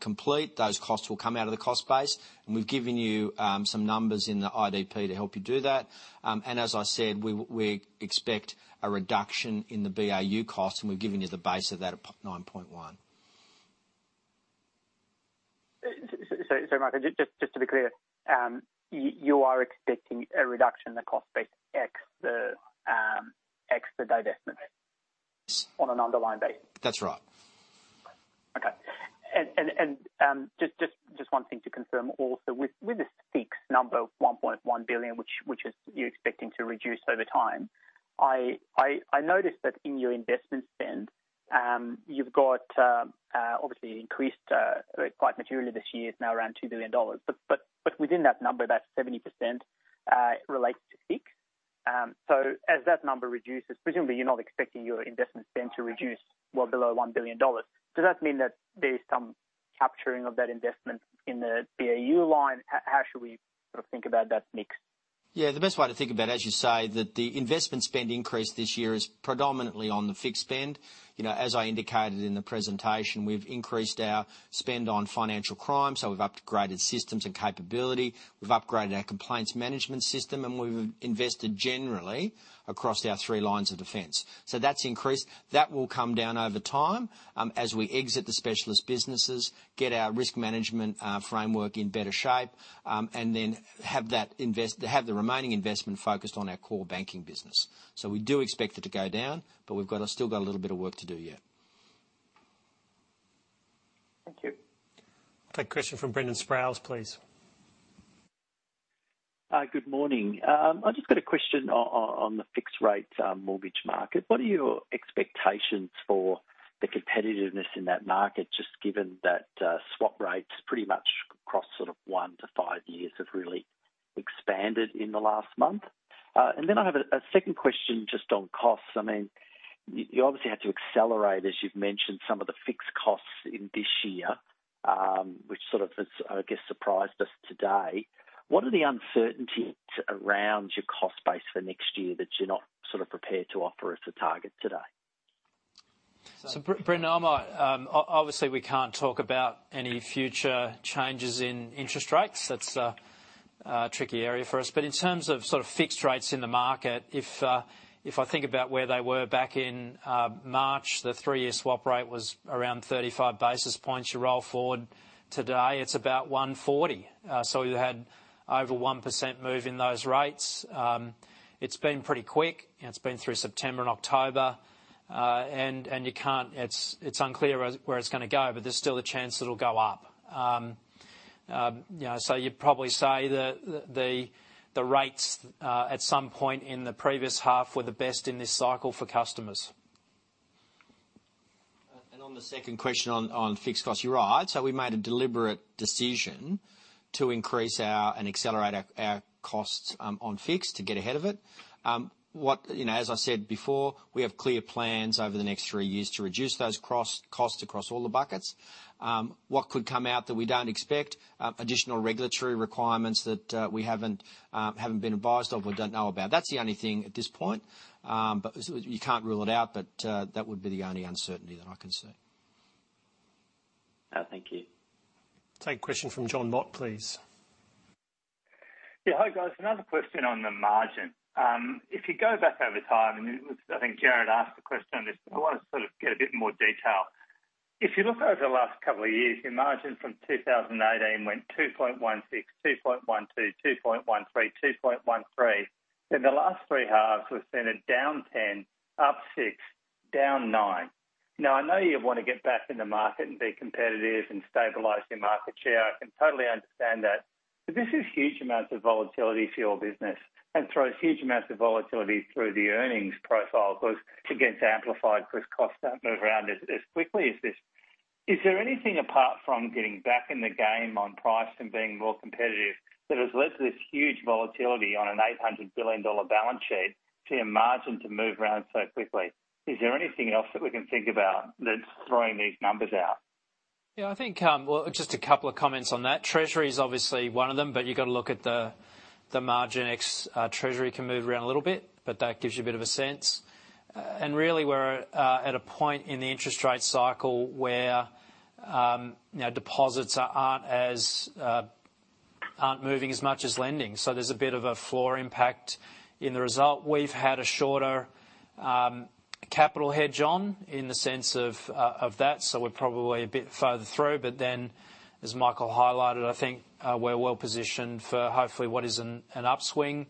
complete, those costs will come out of the cost base. We've given you some numbers in the IDP to help you do that. As I said, we expect a reduction in the BAU cost, and we've given you the base of that at 9.1. Michael, just to be clear, you are expecting a reduction in the cost base ex the divestment on an underlying base? That's right. Okay. Just one thing to confirm also with the STIC number of 1.1 billion, which you're expecting to reduce over time. I noticed that in your investment spend, you've got obviously increased quite materially this year. It's now around 2 billion dollars. Within that number, that 70% relates to STIC. As that number reduces, presumably you're not expecting your investment spend to reduce well below 1 billion dollars. Does that mean that there's some capturing of that investment in the BAU line? How should we sort of think about that mix? Yeah, the best way to think about, as you say, that the investment spend increase this year is predominantly on the fixed spend. You know, as I indicated in the presentation, we've increased our spend on financial crime, so we've upgraded systems and capability. We've upgraded our compliance management system, and we've invested generally across our three lines of defense. That's increased. That will come down over time, as we exit the specialist businesses, get our risk management framework in better shape, and then have the remaining investment focused on our core banking business. We do expect it to go down, but we've still got a little bit of work to do yet. Thank you. Take a question from Brendan Sproules, please. Good morning. I just got a question on the fixed rates mortgage market. What are your expectations for the competitiveness in that market, just given that swap rates pretty much across sort of 1-5 years have really expanded in the last month? Then I have a second question just on costs. I mean, you obviously had to accelerate, as you've mentioned, some of the fixed costs in this year, which sort of has, I guess, surprised us today. What are the uncertainties around your cost base for next year that you're not sort of prepared to offer us a target today? Brendan, I might, obviously we can't talk about any future changes in interest rates. That's a tricky area for us. In terms of sort of fixed rates in the market, if I think about where they were back in March, the three-year swap rate was around 35 basis points. You roll forward today, it's about 140. So you had over 1% move in those rates. It's been pretty quick, and it's been through September and October. It's unclear where it's gonna go, but there's still a chance it'll go up. You know, you'd probably say the rates at some point in the previous half were the best in this cycle for customers. On the second question on fixed costs, you're right. We made a deliberate decision to increase our and accelerate our costs on fixed to get ahead of it. You know, as I said before, we have clear plans over the next three years to reduce those costs across all the buckets. What could come out that we don't expect, additional regulatory requirements that we haven't been advised of or don't know about. That's the only thing at this point. You can't rule it out, but that would be the only uncertainty that I can see. Thank you. Take a question from Jonathan Mott, please. Yeah. Hi, guys. Another question on the margin. If you go back over time, and I think Jonathan Mott asked a question on this, but I want to sort of get a bit more detail. If you look over the last couple of years, your margin from 2018 went 2.16%, 2.12%, 2.13%, 2.13%. In the last three halves, we've seen a down 10, up 6, down 9. Now, I know you want to get back in the market and be competitive and stabilize your market share. I can totally understand that. But this is huge amounts of volatility for your business and throws huge amounts of volatility through the earnings profile because it gets amplified because costs don't move around as quickly as this. Is there anything apart from getting back in the game on price and being more competitive that has led to this huge volatility on an AUD 800 billion balance sheet, see the margin move around so quickly? Is there anything else that we can think about that's throwing these numbers out? Yeah, I think, well, just a couple of comments on that. Treasury is obviously one of them, but you got to look at the margin ex. Treasury can move around a little bit, but that gives you a bit of a sense. Really, we're at a point in the interest rate cycle where, you know, deposits aren't moving as much as lending. So there's a bit of a floor impact in the result. We've had a shorter capital hedge on in the sense of that, so we're probably a bit further through. Then, as Michael highlighted, I think, we're well-positioned for hopefully what is an upswing.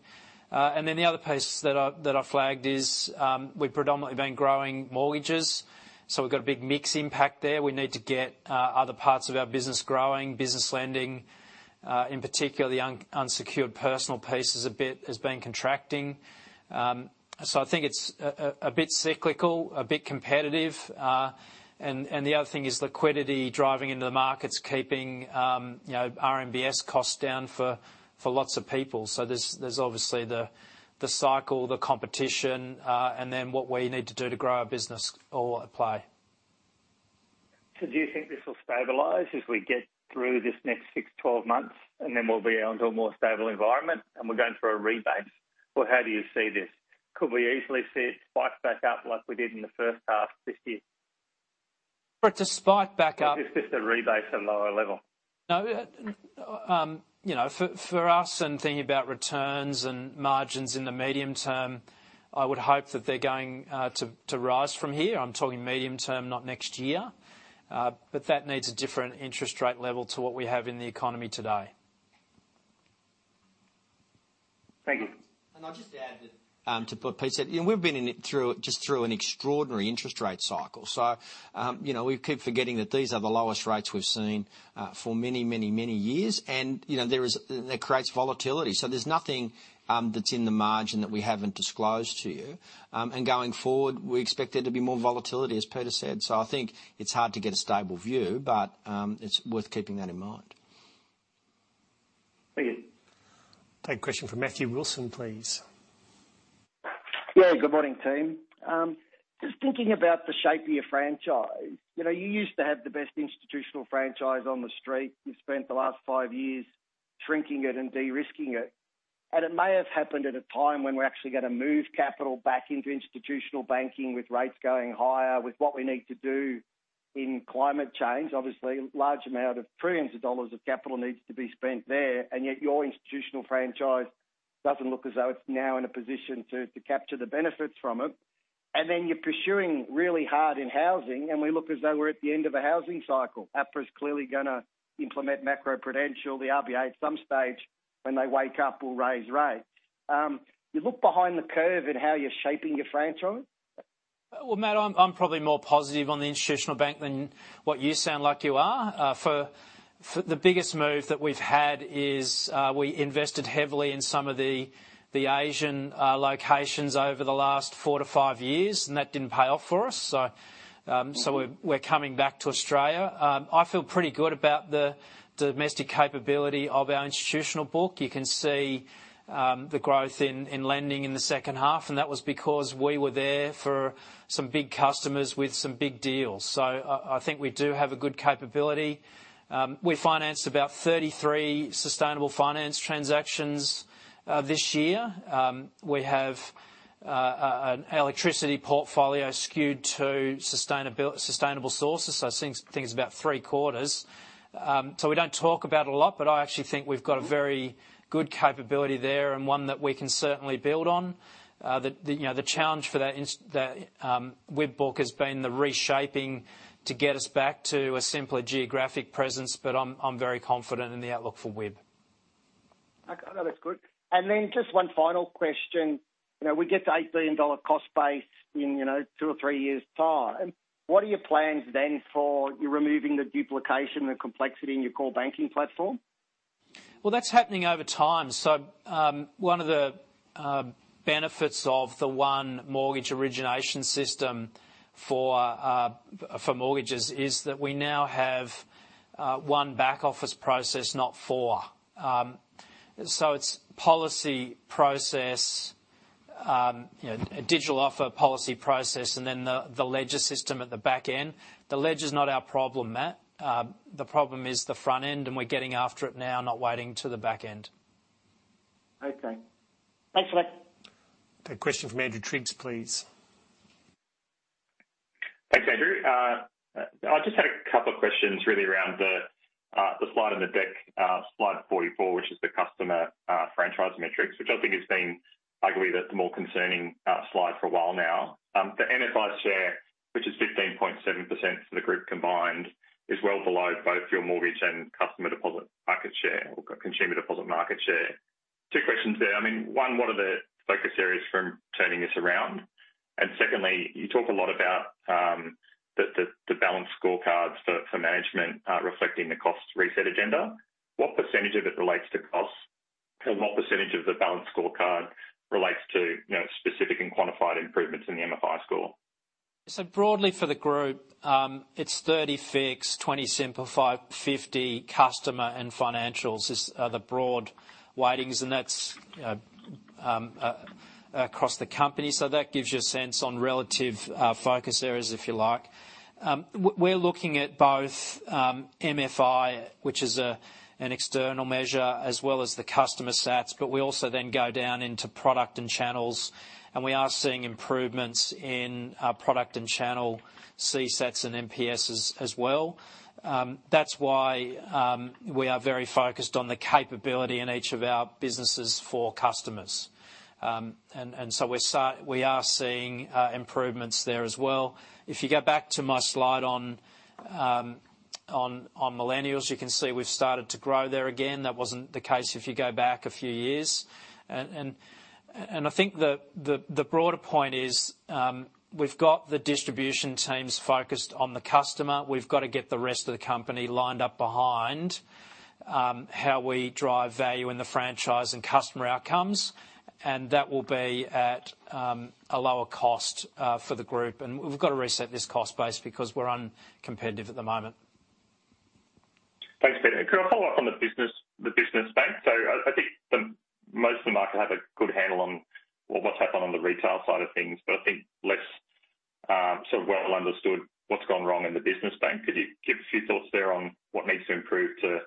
Then the other piece that I flagged is, we've predominantly been growing mortgages, so we've got a big mix impact there. We need to get other parts of our business growing. Business lending, in particular the unsecured personal piece is a bit, has been contracting. I think it's a bit cyclical, a bit competitive. The other thing is liquidity driving into the markets, keeping RMBS costs down for lots of people. There's obviously the cycle, the competition, and then what we need to do to grow our business all at play. Do you think this will stabilize as we get through this next 6, 12 months, and then we'll be onto a more stable environment, and we're going through a rebase? Or how do you see this? Could we easily see it spike back up like we did in the first half this year? For it to spike back up. Is this just a rebase to a lower level? No. You know, for us and thinking about returns and margins in the medium term, I would hope that they're going to rise from here. I'm talking medium term, not next year. That needs a different interest rate level to what we have in the economy today. Thank you. I'll just add that to what Peter said. You know, we've been through an extraordinary interest rate cycle. You know, we keep forgetting that these are the lowest rates we've seen for many years. It creates volatility. There's nothing that's in the margin that we haven't disclosed to you. Going forward, we expect there to be more volatility, as Peter said. I think it's hard to get a stable view, but it's worth keeping that in mind. Thank you. Take a question from Matthew Wilson, please. Yeah, good morning, team. Just thinking about the shape of your franchise. You know, you used to have the best institutional franchise on the street. You've spent the last five years shrinking it and de-risking it, and it may have happened at a time when we're actually gonna move capital back into institutional banking with rates going higher, with what we need to do in climate change. Obviously, a large amount of trillions of dollars of capital needs to be spent there, and yet your institutional franchise doesn't look as though it's now in a position to capture the benefits from it. You're pursuing really hard in housing, and we look as though we're at the end of a housing cycle. APRA's clearly gonna implement macroprudential. The RBA, at some stage, when they wake up, will raise rates. You look behind the curve in how you're shaping your franchise. Well, Matt, I'm probably more positive on the institutional bank than what you sound like you are. The biggest move that we've had is we invested heavily in some of the Asian locations over the last 4-5 years, and that didn't pay off for us. We're coming back to Australia. I feel pretty good about the domestic capability of our institutional book. You can see the growth in lending in the second half, and that was because we were there for some big customers with some big deals. I think we do have a good capability. We financed about 33 sustainable finance transactions this year. We have an electricity portfolio skewed to sustainable sources. I think it's about three-quarters. We don't talk about it a lot, but I actually think we've got a very good capability there and one that we can certainly build on. You know, the challenge for that WIB book has been the reshaping to get us back to a simpler geographic presence, but I'm very confident in the outlook for WIB. Okay. No, that's good. Just one final question. You know, we get to 8 billion dollar cost base in, you know, 2 or 3 years' time. What are your plans then for removing the duplication, the complexity in your core banking platform? Well, that's happening over time. One of the benefits of the one mortgage origination system for mortgages is that we now have one back-office process, not four. It's policy, process, digital offer policy process, and then the ledger system at the back end. The ledger's not our problem, Matt. The problem is the front end, and we're getting after it now, not waiting to the back end. Okay. Thanks a lot. Take a question from Andrew Triggs, please. Thanks, Andrew. I just had a couple of questions really around the slide in the deck, slide 44, which is the customer franchise metrics. I think it has been arguably the more concerning slide for a while now. The MFI share, which is 15.7% for the group combined, is well below both your mortgage and customer deposit market share or consumer deposit market share. 2 questions there. I mean, 1, what are the focus areas for turning this around? And secondly, you talk a lot about the balanced scorecards for management reflecting the cost reset agenda. What percentage of it relates to costs? And what percentage of the balanced scorecard relates to, you know, specific and quantified improvements in the MFI score? Broadly for the group, it's 30 fix, 20 simplify, 50 customer and financials are the broad weightings, and that's across the company. That gives you a sense on relative focus areas, if you like. We're looking at both MFI, which is an external measure, as well as the customer stats, but we also then go down into product and channels, and we are seeing improvements in our product and channel CSAT and NPS as well. That's why we are very focused on the capability in each of our businesses for customers. We are seeing improvements there as well. If you go back to my slide on millennials, you can see we've started to grow there again. That wasn't the case if you go back a few years. I think the broader point is, we've got the distribution teams focused on the customer. We've got to get the rest of the company lined up behind how we drive value in the franchise and customer outcomes, and that will be at a lower cost for the group. We've got to reset this cost base because we're uncompetitive at the moment. Thanks, Peter. Could I follow up on the business bank? I think most of the market have a good handle on, well, what's happened on the retail side of things, but I think less sort of well understood what's gone wrong in the business bank. Could you give a few thoughts there on what needs to improve to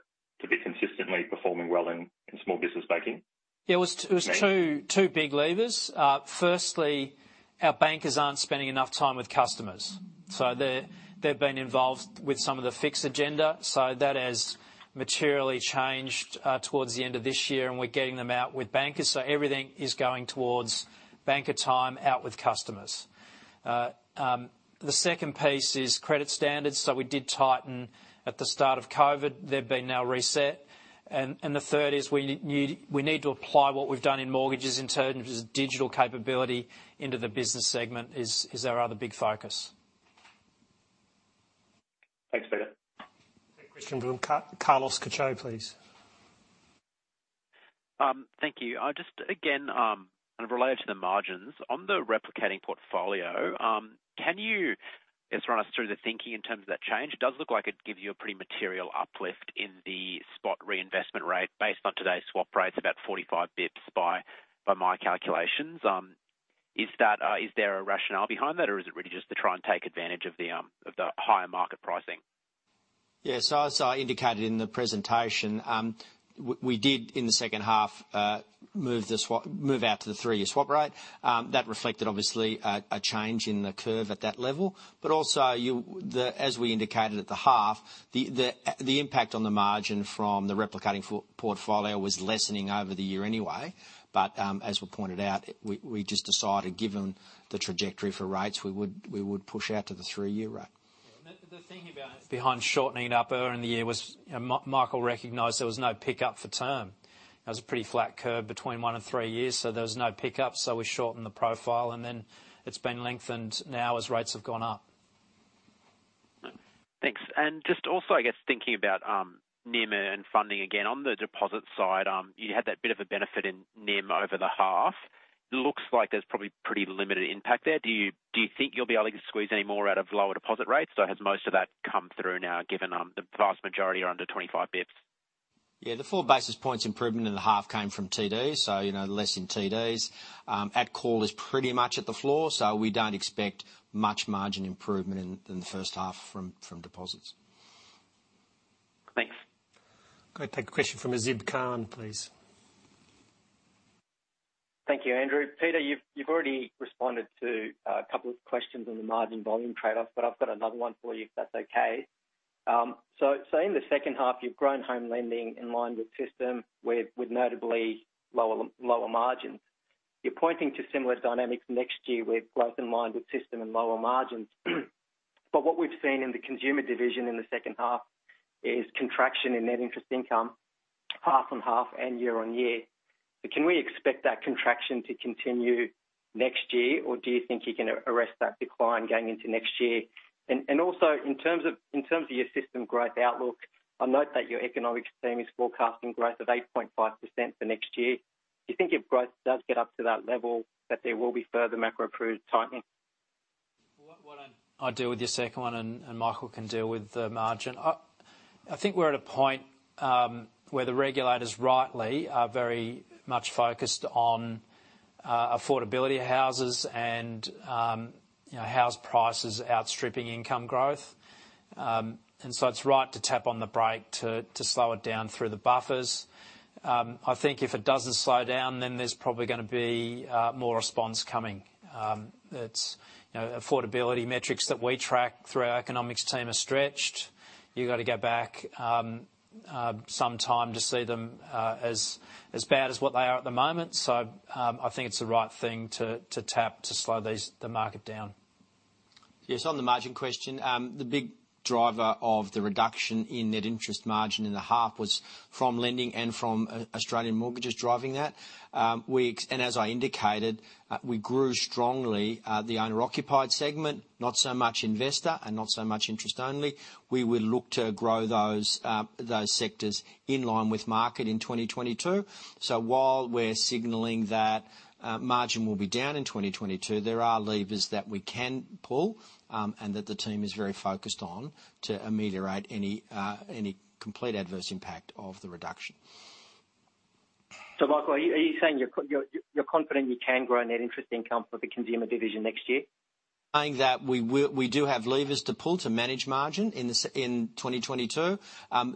be consistently performing well in small business banking? Yeah. It was two big levers. Firstly, our bankers aren't spending enough time with customers. They've been involved with some of the fixed agenda, that has materially changed towards the end of this year, and we're getting them out with bankers. Everything is going towards banker time out with customers. The second piece is credit standards. We did tighten at the start of COVID. They've been now reset. The third is we need to apply what we've done in mortgages in terms of digital capability into the business segment is our other big focus. Thanks, Peter. Take a question from Luca Ittimani, please. Thank you. I just, again, kind of related to the margins. On the replicating portfolio, can you just run us through the thinking in terms of that change? It does look like it gives you a pretty material uplift in the spot reinvestment rate based on today's swap rates, about 45 basis points by my calculations. Is there a rationale behind that, or is it really just to try and take advantage of the higher market pricing? Yeah. As I indicated in the presentation, we did in the second half move out to the three-year swap rate. That reflected obviously a change in the curve at that level. Also, as we indicated at the half, the impact on the margin from the replicating portfolio was lessening over the year anyway. As we pointed out, we just decided given the trajectory for rates, we would push out to the three-year rate. The thinking about it behind shortening it up earlier in the year was Michael recognized there was no pickup for term. There was a pretty flat curve between 1 and 3 years, so there was no pickup, so we shortened the profile and then it's been lengthened now as rates have gone up. Thanks. Just also, I guess thinking about NIM and funding again. On the deposit side, you had that bit of a benefit in NIM over the half. Looks like there's probably pretty limited impact there. Do you think you'll be able to squeeze any more out of lower deposit rates, or has most of that come through now given the vast majority are under 25 basis points? Yeah, the 4 basis points improvement in the half came from TDs, so, you know, less in TDs. At call is pretty much at the floor, so we don't expect much margin improvement in the first half from deposits. Thanks. Go take a question from Justin McCarthy, please. Thank you, Andrew. Peter, you've already responded to a couple of questions on the margin volume trade-off, but I've got another one for you, if that's okay. In the second half, you've grown home lending in line with system with notably lower margins. You're pointing to similar dynamics next year with growth in line with system and lower margins. What we've seen in the consumer division in the second half is contraction in net interest income, half-on-half and year-on-year. Can we expect that contraction to continue next year, or do you think you can arrest that decline going into next year? Also, in terms of your system growth outlook, I note that your economics team is forecasting growth of 8.5% for next year. Do you think if growth does get up to that level, that there will be further macroprudential tightening? I'll deal with your second one and Michael can deal with the margin. I think we're at a point where the regulators rightly are very much focused on affordability of houses and, you know, house prices outstripping income growth. It's right to tap on the brake to slow it down through the buffers. I think if it doesn't slow down, then there's probably gonna be more response coming. It's, you know, affordability metrics that we track through our economics team are stretched. You gotta go back some time to see them as bad as what they are at the moment. I think it's the right thing to tap to slow the market down. Yes, on the margin question, the big driver of the reduction in net interest margin in the half was from lending and from Australian mortgages driving that. And as I indicated, we grew strongly the owner-occupied segment. Not so much investor and not so much interest only. We will look to grow those sectors in line with market in 2022. While we're signaling that margin will be down in 2022, there are levers that we can pull, and that the team is very focused on to ameliorate any complete adverse impact of the reduction. Michael, are you saying you're confident you can grow net interest income for the consumer division next year? I think that we do have levers to pull to manage margin in 2022.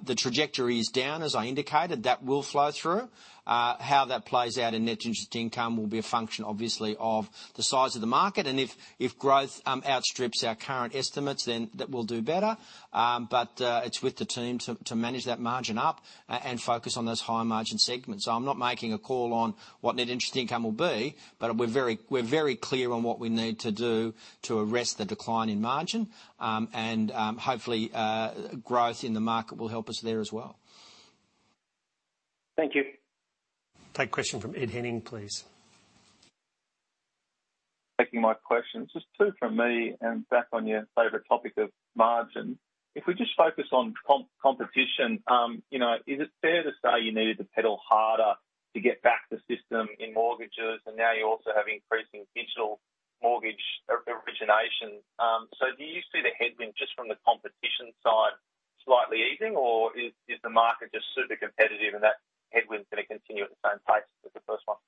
The trajectory is down, as I indicated. That will flow through. How that plays out in net interest income will be a function, obviously, of the size of the market, and if growth outstrips our current estimates, then that will do better. It's with the team to manage that margin up and focus on those higher margin segments. I'm not making a call on what net interest income will be, but we're very clear on what we need to do to arrest the decline in margin. Hopefully, growth in the market will help us there as well. Thank you. Take question from Ed Henning, please. Thank you for taking my questions. Just two from me back on your favorite topic of margin. If we just focus on competition, you know, is it fair to say you needed to pedal harder to get back the system in mortgages, and now you also have increasing digital mortgage origination. Do you see the headwind just from the competition side slightly easing, or is the market just super competitive and that headwind's gonna continue at the same pace as the first one?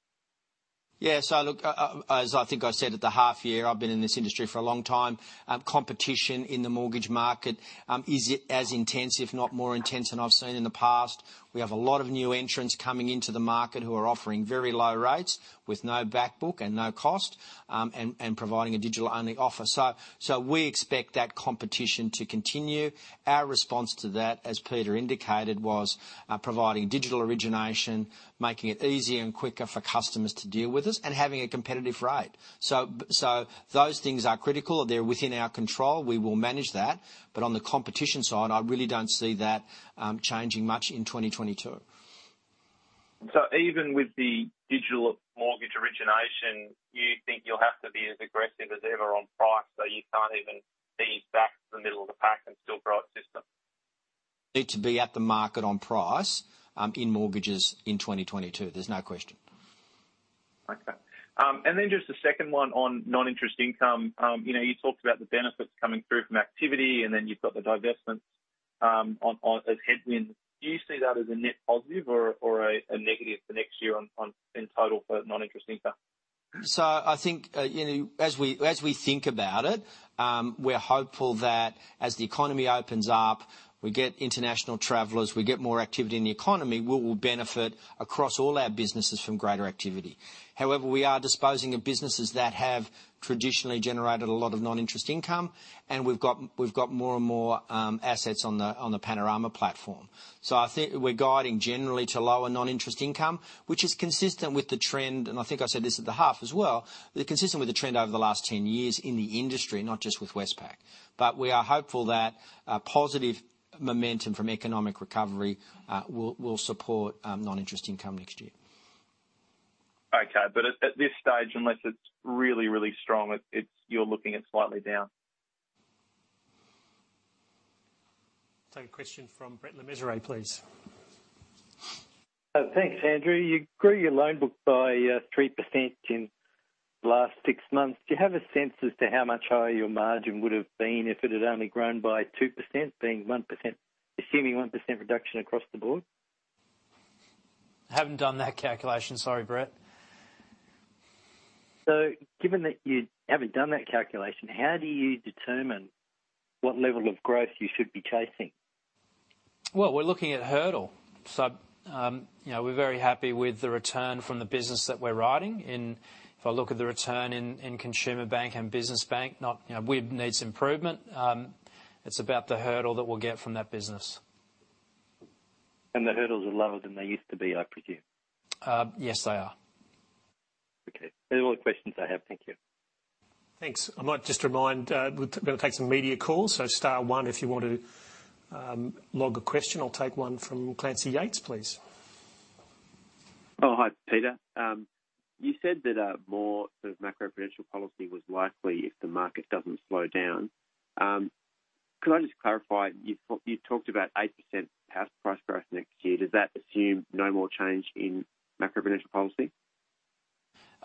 Look, as I think I said at the half year, I've been in this industry for a long time. Competition in the mortgage market is as intense, if not more intense than I've seen in the past. We have a lot of new entrants coming into the market who are offering very low rates with no back book and no cost, and providing a digital-only offer. We expect that competition to continue. Our response to that, as Peter indicated, was providing digital origination, making it easier and quicker for customers to deal with us, and having a competitive rate. Those things are critical. They're within our control. We will manage that. On the competition side, I really don't see that changing much in 2022. Even with the digital mortgage origination, you think you'll have to be as aggressive as ever on price, so you can't even feed back to the middle of the pack and still grow at 6%? Need to be at the market on price in mortgages in 2022. There's no question. Okay. Just a second one on non-interest income. You know, you talked about the benefits coming through from activity, and then you've got the divestments as a headwind. Do you see that as a net positive or a negative for next year or in total for non-interest income? I think, you know, as we think about it, we're hopeful that as the economy opens up, we get international travelers, we get more activity in the economy, we will benefit across all our businesses from greater activity. However, we are disposing of businesses that have traditionally generated a lot of non-interest income, and we've got more and more assets on the Panorama platform. I think we're guiding generally to lower non-interest income, which is consistent with the trend. I think I said this at the half as well. They're consistent with the trend over the last 10 years in the industry, not just with Westpac. We are hopeful that a positive momentum from economic recovery will support non-interest income next year. Okay. At this stage, unless it's really strong, it's you're looking at slightly down. Take a question from Brett Le Mesurier, please. Thanks, Andrew. You grew your loan book by 3% in the last six months. Do you have a sense as to how much higher your margin would have been if it had only grown by 2%, being 1%, assuming 1% reduction across the board? Haven't done that calculation. Sorry, Brett. Given that you haven't done that calculation, how do you determine what level of growth you should be chasing? Well, we're looking at hurdle. You know, we're very happy with the return from the business that we're writing in. If I look at the return in Consumer Bank and Business Bank, though, you know, it needs improvement. It's about the hurdle that we'll get from that business. The hurdles are lower than they used to be, I presume. Yes, they are. Okay. They're all the questions I have. Thank you. Thanks. I might just remind we're gonna take some media calls. Star one if you want to log a question. I'll take one from Clancy Yeates, please. Oh, hi, Peter. You said that more sort of macroprudential policy was likely if the market doesn't slow down. Could I just clarify? You've talked about 8% house price growth next year. Does that assume no more change in macroprudential policy?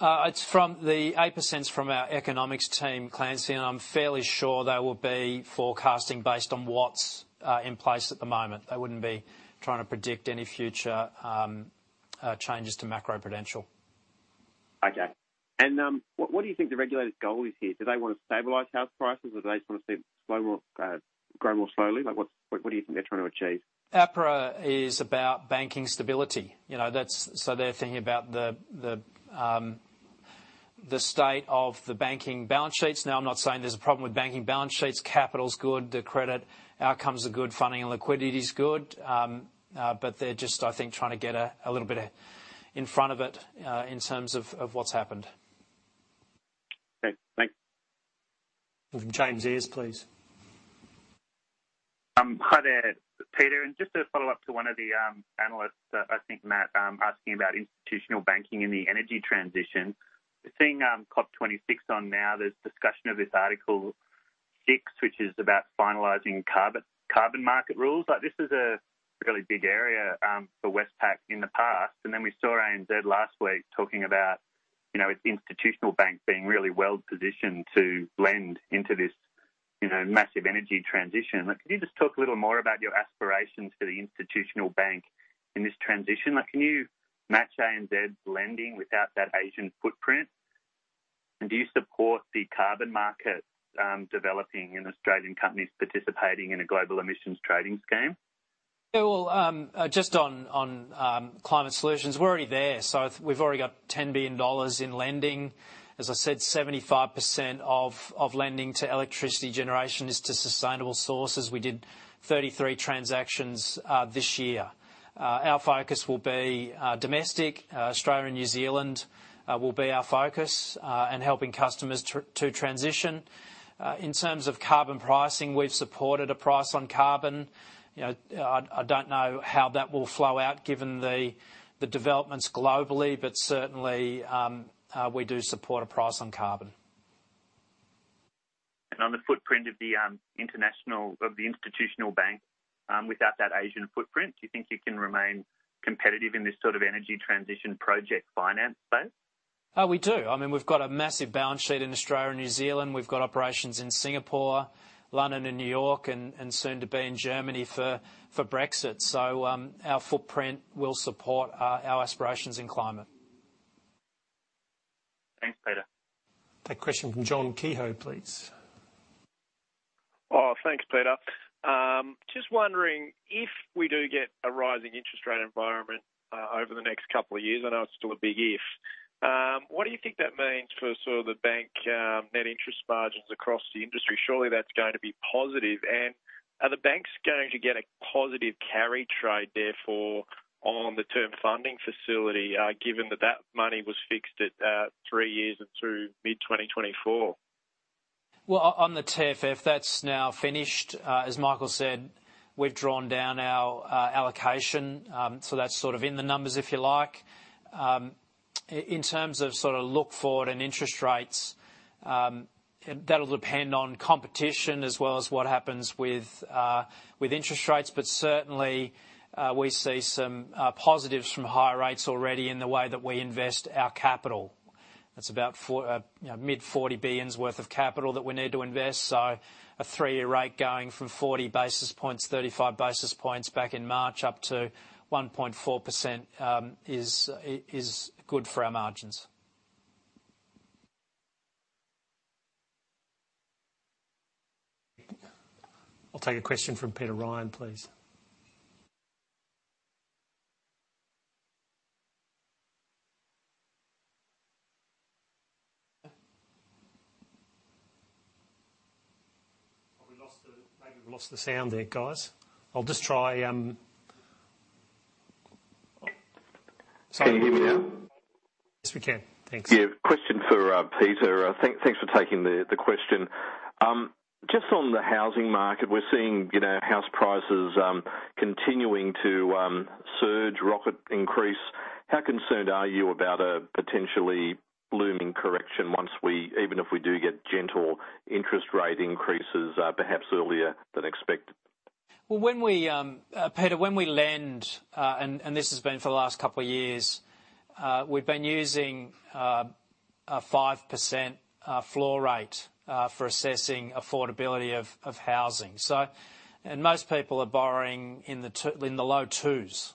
It's the 8% from our economics team, Clancy, and I'm fairly sure they will be forecasting based on what's in place at the moment. They wouldn't be trying to predict any future changes to macroprudential. Okay. What do you think the regulator's goal is here? Do they want to stabilize house prices or do they just want to see it slow more, grow more slowly? Like, what do you think they're trying to achieve? APRA is about banking stability. You know, they're thinking about the state of the banking balance sheets. Now, I'm not saying there's a problem with banking balance sheets. Capital is good. The credit outcomes are good. Funding and liquidity is good. They're just, I think, trying to get a little bit in front of it, in terms of what's happened. Okay, thanks. Jackson Hewett, please. Hi there, Peter. Just to follow up to one of the analysts, I think Matt, asking about institutional banking in the energy transition. We're seeing COP26 on now. There's discussion of this Article 6, which is about finalizing carbon market rules. Like, this is a really big area for Westpac in the past. Then we saw ANZ last week talking about, you know, its institutional bank being really well positioned to lend into this, you know, massive energy transition. Like, can you just talk a little more about your aspirations for the institutional bank in this transition? Like, can you match ANZ's lending without that Asian footprint? Do you support the carbon market developing and Australian companies participating in a global emissions trading scheme? Yeah. Well, just on climate solutions, we're already there. We've already got 10 billion dollars in lending. As I said, 75% of lending to electricity generation is to sustainable sources. We did 33 transactions this year. Our focus will be domestic. Australia and New Zealand will be our focus, and helping customers to transition. In terms of carbon pricing, we've supported a price on carbon. You know, I don't know how that will flow out given the developments globally, but certainly we do support a price on carbon. On the footprint of the institutional bank, without that Asian footprint, do you think you can remain competitive in this sort of energy transition project finance space? We do. I mean, we've got a massive balance sheet in Australia and New Zealand. We've got operations in Singapore, London and New York and soon to be in Germany for Brexit. Our footprint will support our aspirations in climate. Thanks, Peter. Take a question from John Kehoe, please. Oh, thanks, Peter. Just wondering if we do get a rising interest rate environment over the next couple of years, I know it's still a big if, what do you think that means for sort of the bank net interest margins across the industry? Surely that's going to be positive. Are the banks going to get a positive carry trade therefore on the term funding facility, given that that money was fixed at three years and through mid-2024? Well, on the TFF, that's now finished. As Michael said, we've drawn down our allocation. That's sort of in the numbers, if you like. In terms of looking forward and interest rates, that'll depend on competition as well as what happens with interest rates. Certainly, we see some positives from higher rates already in the way that we invest our capital. That's about mid-40 billion worth of capital that we need to invest. A three-year rate going from 40 basis points, 35 basis points back in March up to 1.4% is good for our margins. I'll take a question from Peter Ryan, please. Have we lost the sound there, guys. I'll just try. Can you hear me now? Yes, we can. Thanks. Yeah. Question for Peter. Thanks for taking the question. Just on the housing market, we're seeing, you know, house prices continuing to surge, rocket increase. How concerned are you about a potentially looming correction even if we do get gentle interest rate increases, perhaps earlier than expected? Well, when we lend, and this has been for the last couple of years, we've been using a 5% floor rate for assessing affordability of housing. Most people are borrowing in the low 2s.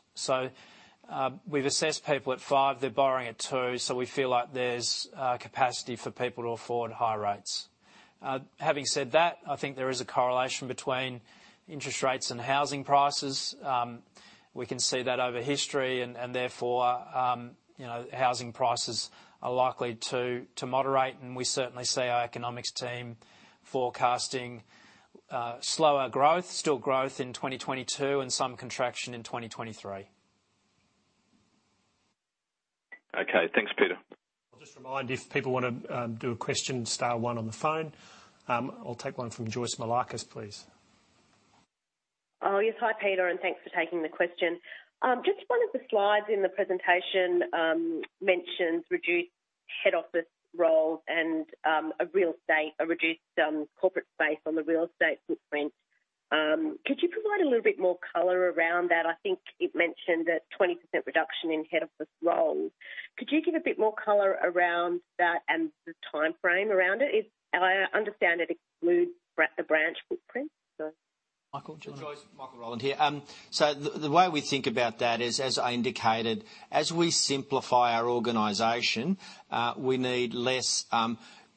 We've assessed people at 5%, they're borrowing at 2%, so we feel like there's capacity for people to afford higher rates. Having said that, I think there is a correlation between interest rates and housing prices. We can see that over history and therefore, you know, housing prices are likely to moderate, and we certainly see our economics team forecasting slower growth, still growth in 2022 and some contraction in 2023. Okay. Thanks, Peter. I'll just remind, if people wanna do a question, star one on the phone. I'll take one from Joyce Moullakis, please. Oh, yes. Hi, Peter, and thanks for taking the question. Just one of the slides in the presentation mentions reduced head office roles and a reduced corporate space on the real estate footprint. Could you provide a little bit more color around that? I think it mentioned a 20% reduction in head office roles. Could you give a bit more color around that and the timeframe around it? If I understand it excludes the branch footprint. Michael. Do you want to Joyce, Michael Rowland here. The way we think about that is, as I indicated, as we simplify our organization, we need less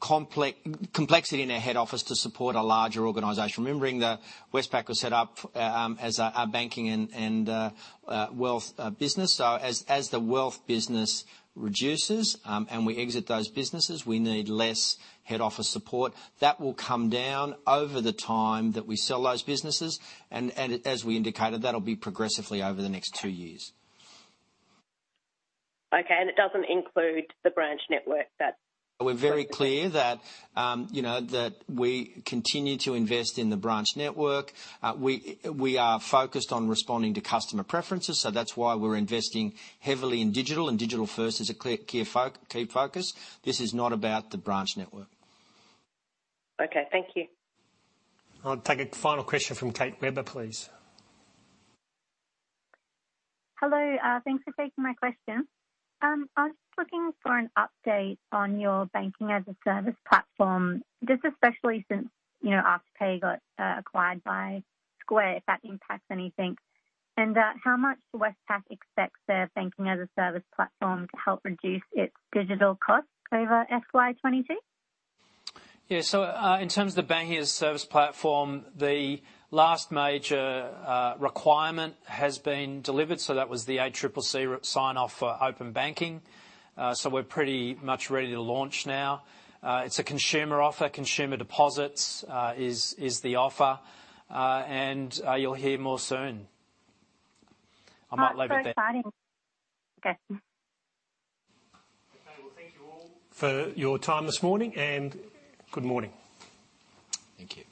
complexity in our head office to support a larger organization. Remembering that Westpac was set up as a banking and wealth business. As the wealth business reduces and we exit those businesses, we need less head office support. That will come down over the time that we sell those businesses and as we indicated, that'll be progressively over the next two years. Okay. It doesn't include the branch network. We're very clear that we continue to invest in the branch network. We are focused on responding to customer preferences, so that's why we're investing heavily in digital, and digital first is a clear, key focus. This is not about the branch network. Okay. Thank you. I'll take a final question from Cliona O'Dowd, please. Hello. Thanks for taking my question. I was just looking for an update on your banking-as-a-service platform, just especially since, you know, Afterpay got acquired by Square, if that impacts anything. How much does Westpac expect their banking as a service platform to help reduce its digital costs over FY 2022? In terms of banking-as-a-service platform, the last major requirement has been delivered. That was the ACCC sign-off for open banking. We're pretty much ready to launch now. It's a consumer offer. Consumer deposits is the offer. You'll hear more soon. I might leave it there. Oh, so exciting. Okay. Okay. Well, thank you all for your time this morning, and good morning. Thank you.